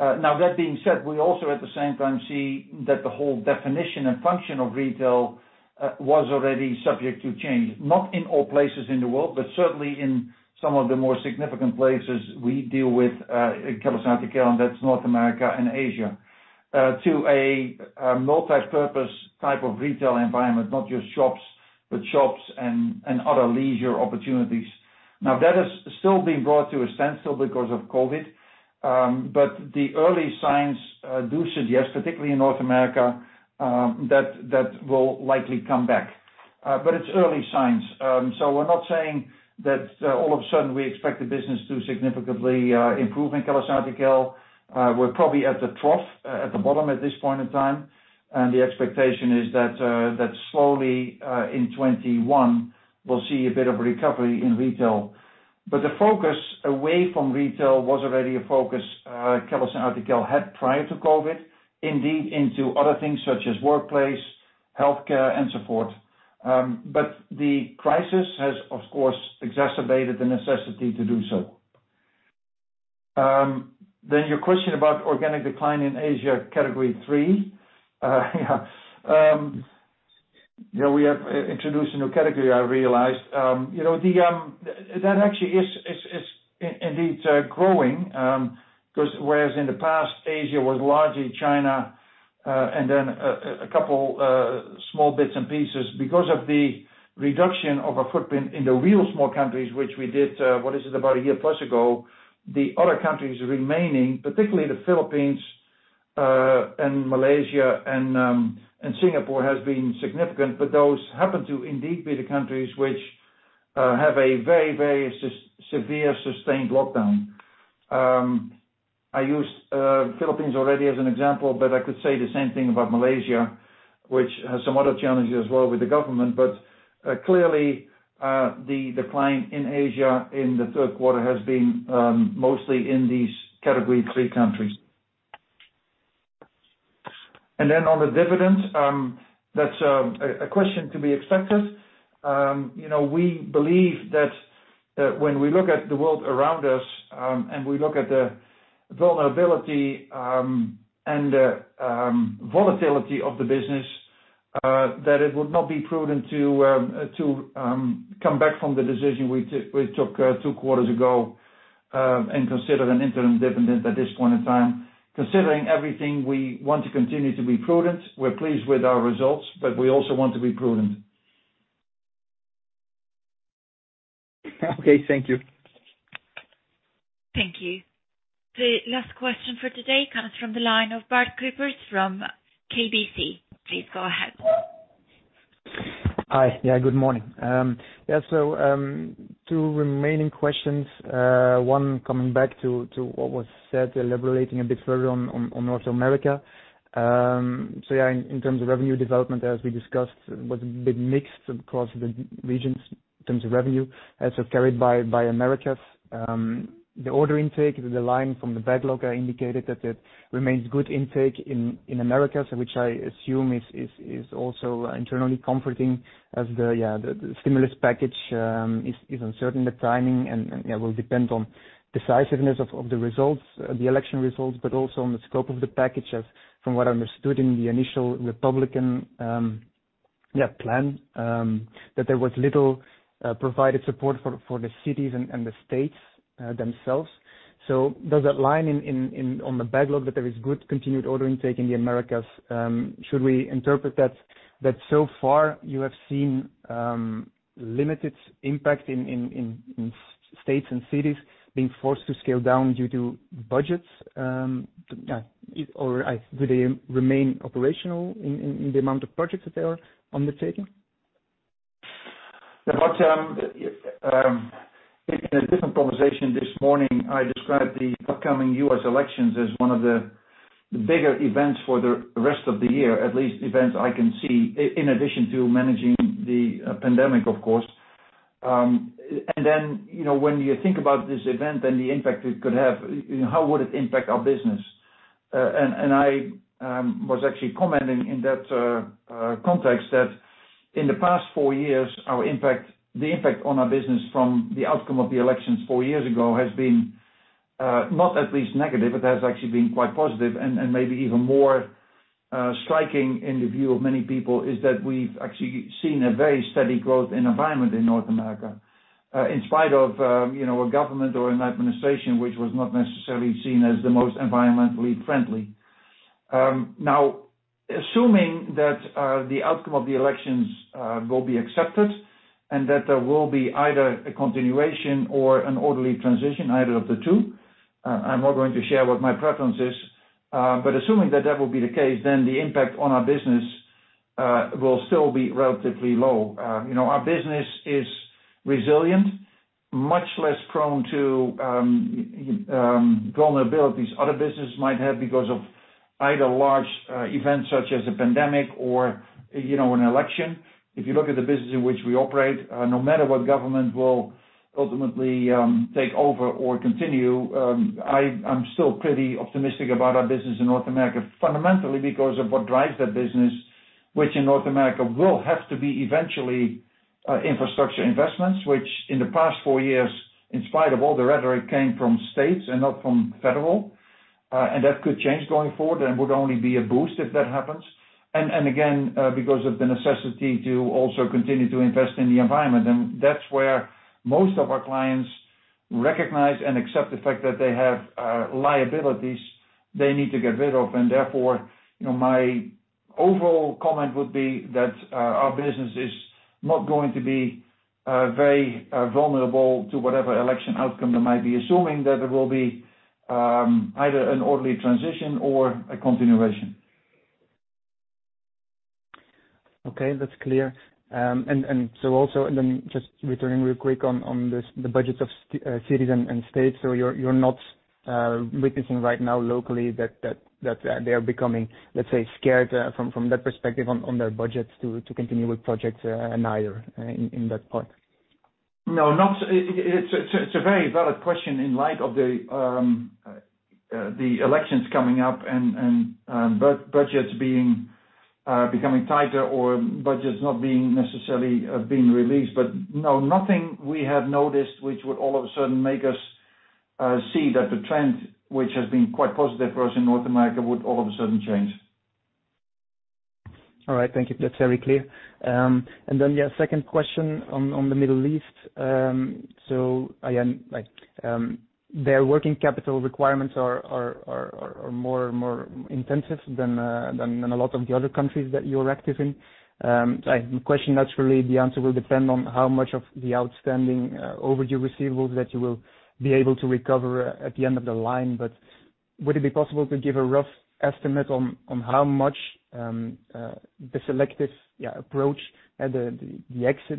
That being said, we also at the same time see that the whole definition and function of retail was already subject to change, not in all places in the world, but certainly in some of the more significant places we deal with in CallisonRTKL, and that's North America and Asia, to a multipurpose type of retail environment, not just shops, but shops and other leisure opportunities. That has still been brought to a standstill because of COVID, but the early signs do suggest, particularly in North America, that that will likely come back. It's early signs. We're not saying that all of a sudden we expect the business to significantly improve in CallisonRTKL. We're probably at the trough, at the bottom at this point in time, and the expectation is that slowly, in 2021, we'll see a bit of recovery in retail. The focus away from retail was already a focus CallisonRTKL had prior to COVID, indeed into other things such as workplace, healthcare, and so forth. The crisis has, of course, exacerbated the necessity to do so. Your question about organic decline in Asia, category three. Yeah, we have introduced a new category, I realized. That actually is indeed growing, because whereas in the past, Asia was largely China, and then a couple small bits and pieces. Because of the reduction of our footprint in the real small countries, which we did, what is it? About a year plus ago, the other countries remaining, particularly the Philippines, and Malaysia and Singapore has been significant. Those happen to indeed be the countries which have a very, very severe sustained lockdown. I used Philippines already as an example, but I could say the same thing about Malaysia, which has some other challenges as well with the government. Clearly, the decline in Asia in the third quarter has been mostly in these category three countries. On the dividend, that's a question to be expected. We believe that when we look at the world around us, and we look at the vulnerability, and the volatility of the business. That it would not be prudent to come back from the decision we took two quarters ago, and consider an interim dividend at this point in time. Considering everything, we want to continue to be prudent. We're pleased with our results, but we also want to be prudent. Okay. Thank you. Thank you. The last question for today comes from the line of Bart Cuypers from KBC. Please go ahead. Hi. Good morning. Two remaining questions. One coming back to what was said, elaborating a bit further on North America. In terms of revenue development, as we discussed, was a bit mixed across the regions in terms of revenue, carried by Americas. The order intake, the line from the backlog indicated that it remains good intake in Americas, which I assume is also internally comforting as the stimulus package is uncertain, the timing, and will depend on decisiveness of the election results, but also on the scope of the package. From what I understood in the initial Republican plan, that there was little provided support for the cities and the states themselves. Does that line on the backlog that there is good continued order intake in the Americas, should we interpret that so far you have seen limited impact in states and cities being forced to scale down due to budgets? Or do they remain operational in the amount of projects that they are undertaking? Bart, in a different conversation this morning, I described the upcoming U.S. elections as one of the bigger events for the rest of the year, at least events I can see, in addition to managing the pandemic, of course. When you think about this event and the impact it could have, how would it impact our business? I was actually commenting in that context that in the past four years, the impact on our business from the outcome of the elections four years ago has been not at least negative, but has actually been quite positive. Maybe even more striking in the view of many people, is that we've actually seen a very steady growth in environment in North America, in spite of a government or an administration which was not necessarily seen as the most environmentally friendly. Assuming that the outcome of the elections will be accepted and that there will be either a continuation or an orderly transition, either of the two, I'm not going to share what my preference is. Assuming that that will be the case, then the impact on our business will still be relatively low. Our business is resilient, much less prone to vulnerabilities other businesses might have because of either large events such as a pandemic or an election. If you look at the business in which we operate, no matter what government will ultimately take over or continue, I'm still pretty optimistic about our business in North America, fundamentally because of what drives that business, which in North America will have to be eventually infrastructure investments. In the past four years, in spite of all the rhetoric, came from states and not from federal. That could change going forward and would only be a boost if that happens. Again, because of the necessity to also continue to invest in the environment, and that's where most of our clients recognize and accept the fact that they have liabilities they need to get rid of. Therefore, my overall comment would be that our business is not going to be very vulnerable to whatever election outcome there might be, assuming that there will be either an orderly transition or a continuation. Okay. That's clear. Just returning real quick on the budgets of cities and states, you're not witnessing right now locally that they are becoming, let's say, scared from that perspective on their budgets to continue with projects neither in that part? No, it's a very valid question in light of the elections coming up and budgets becoming tighter or budgets not necessarily being released. No, nothing we have noticed, which would all of a sudden make us see that the trend, which has been quite positive for us in North America, would all of a sudden change. All right. Thank you. That's very clear. Yeah, second question on the Middle East. Again, their working capital requirements are more intensive than a lot of the other countries that you're active in. The question, naturally, the answer will depend on how much of the outstanding overdue receivables that you will be able to recover at the end of the line. Would it be possible to give a rough estimate on how much the selective approach and the exit,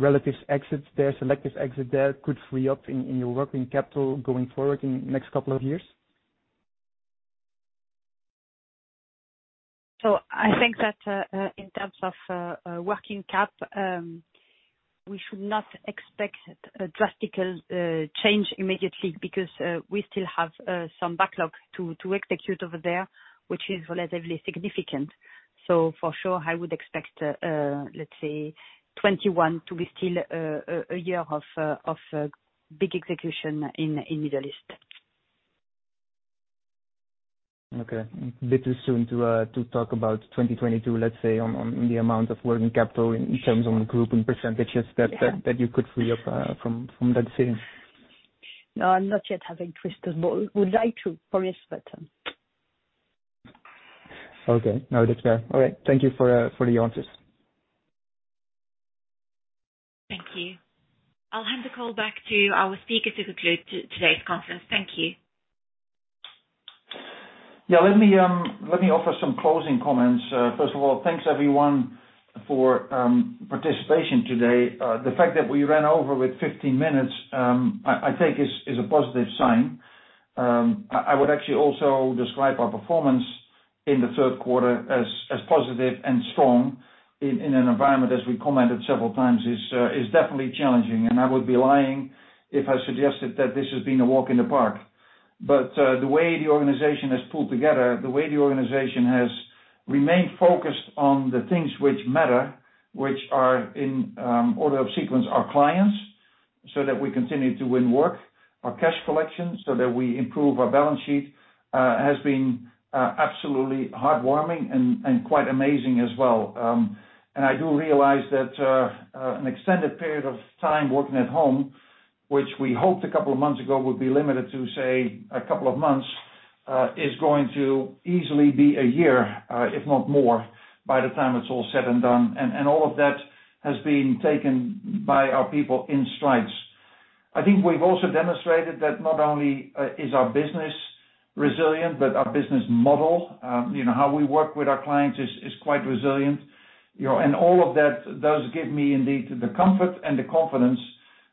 the relative exits there, selective exit there could free up in your working capital going forward in the next couple of years? I think that in terms of working cap, we should not expect a drastic change immediately because we still have some backlog to execute over there, which is relatively significant. For sure, I would expect, let's say, 2021 to be still a year of big execution in Middle East. Okay. A bit too soon to talk about 2022, let's say, on the amount of working capital in terms of group and percentages that you could free up from that decision? No, I'm not yet having twisted, but would like to promise. Okay. No, that's fair. All right. Thank you for the answers. Thank you. I'll hand the call back to our speaker to conclude today's conference. Thank you. Let me offer some closing comments. First of all, thanks everyone for participation today. The fact that we ran over with 15 minutes, I take is a positive sign. I would actually also describe our performance in the third quarter as positive and strong in an environment, as we commented several times, is definitely challenging, and I would be lying if I suggested that this has been a walk in the park. The way the organization has pulled together, the way the organization has remained focused on the things which matter, which are in order of sequence, our clients, so that we continue to win work, our cash collection, so that we improve our balance sheet, has been absolutely heartwarming and quite amazing as well. I do realize that an extended period of time working at home, which we hoped a couple of months ago would be limited to, say, a couple of months, is going to easily be a year, if not more, by the time it's all said and done. All of that has been taken by our people in strides. I think we've also demonstrated that not only is our business resilient, but our business model, how we work with our clients is quite resilient. All of that does give me indeed the comfort and the confidence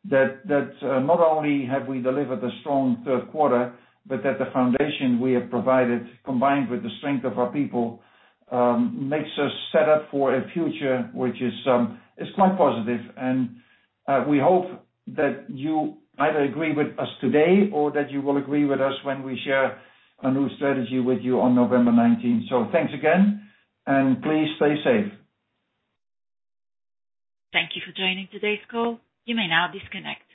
that not only have we delivered a strong third quarter, but that the foundation we have provided, combined with the strength of our people, makes us set up for a future, which is quite positive. We hope that you either agree with us today or that you will agree with us when we share a new strategy with you on November 19th. Thanks again, and please stay safe. Thank you for joining today's call. You may now disconnect.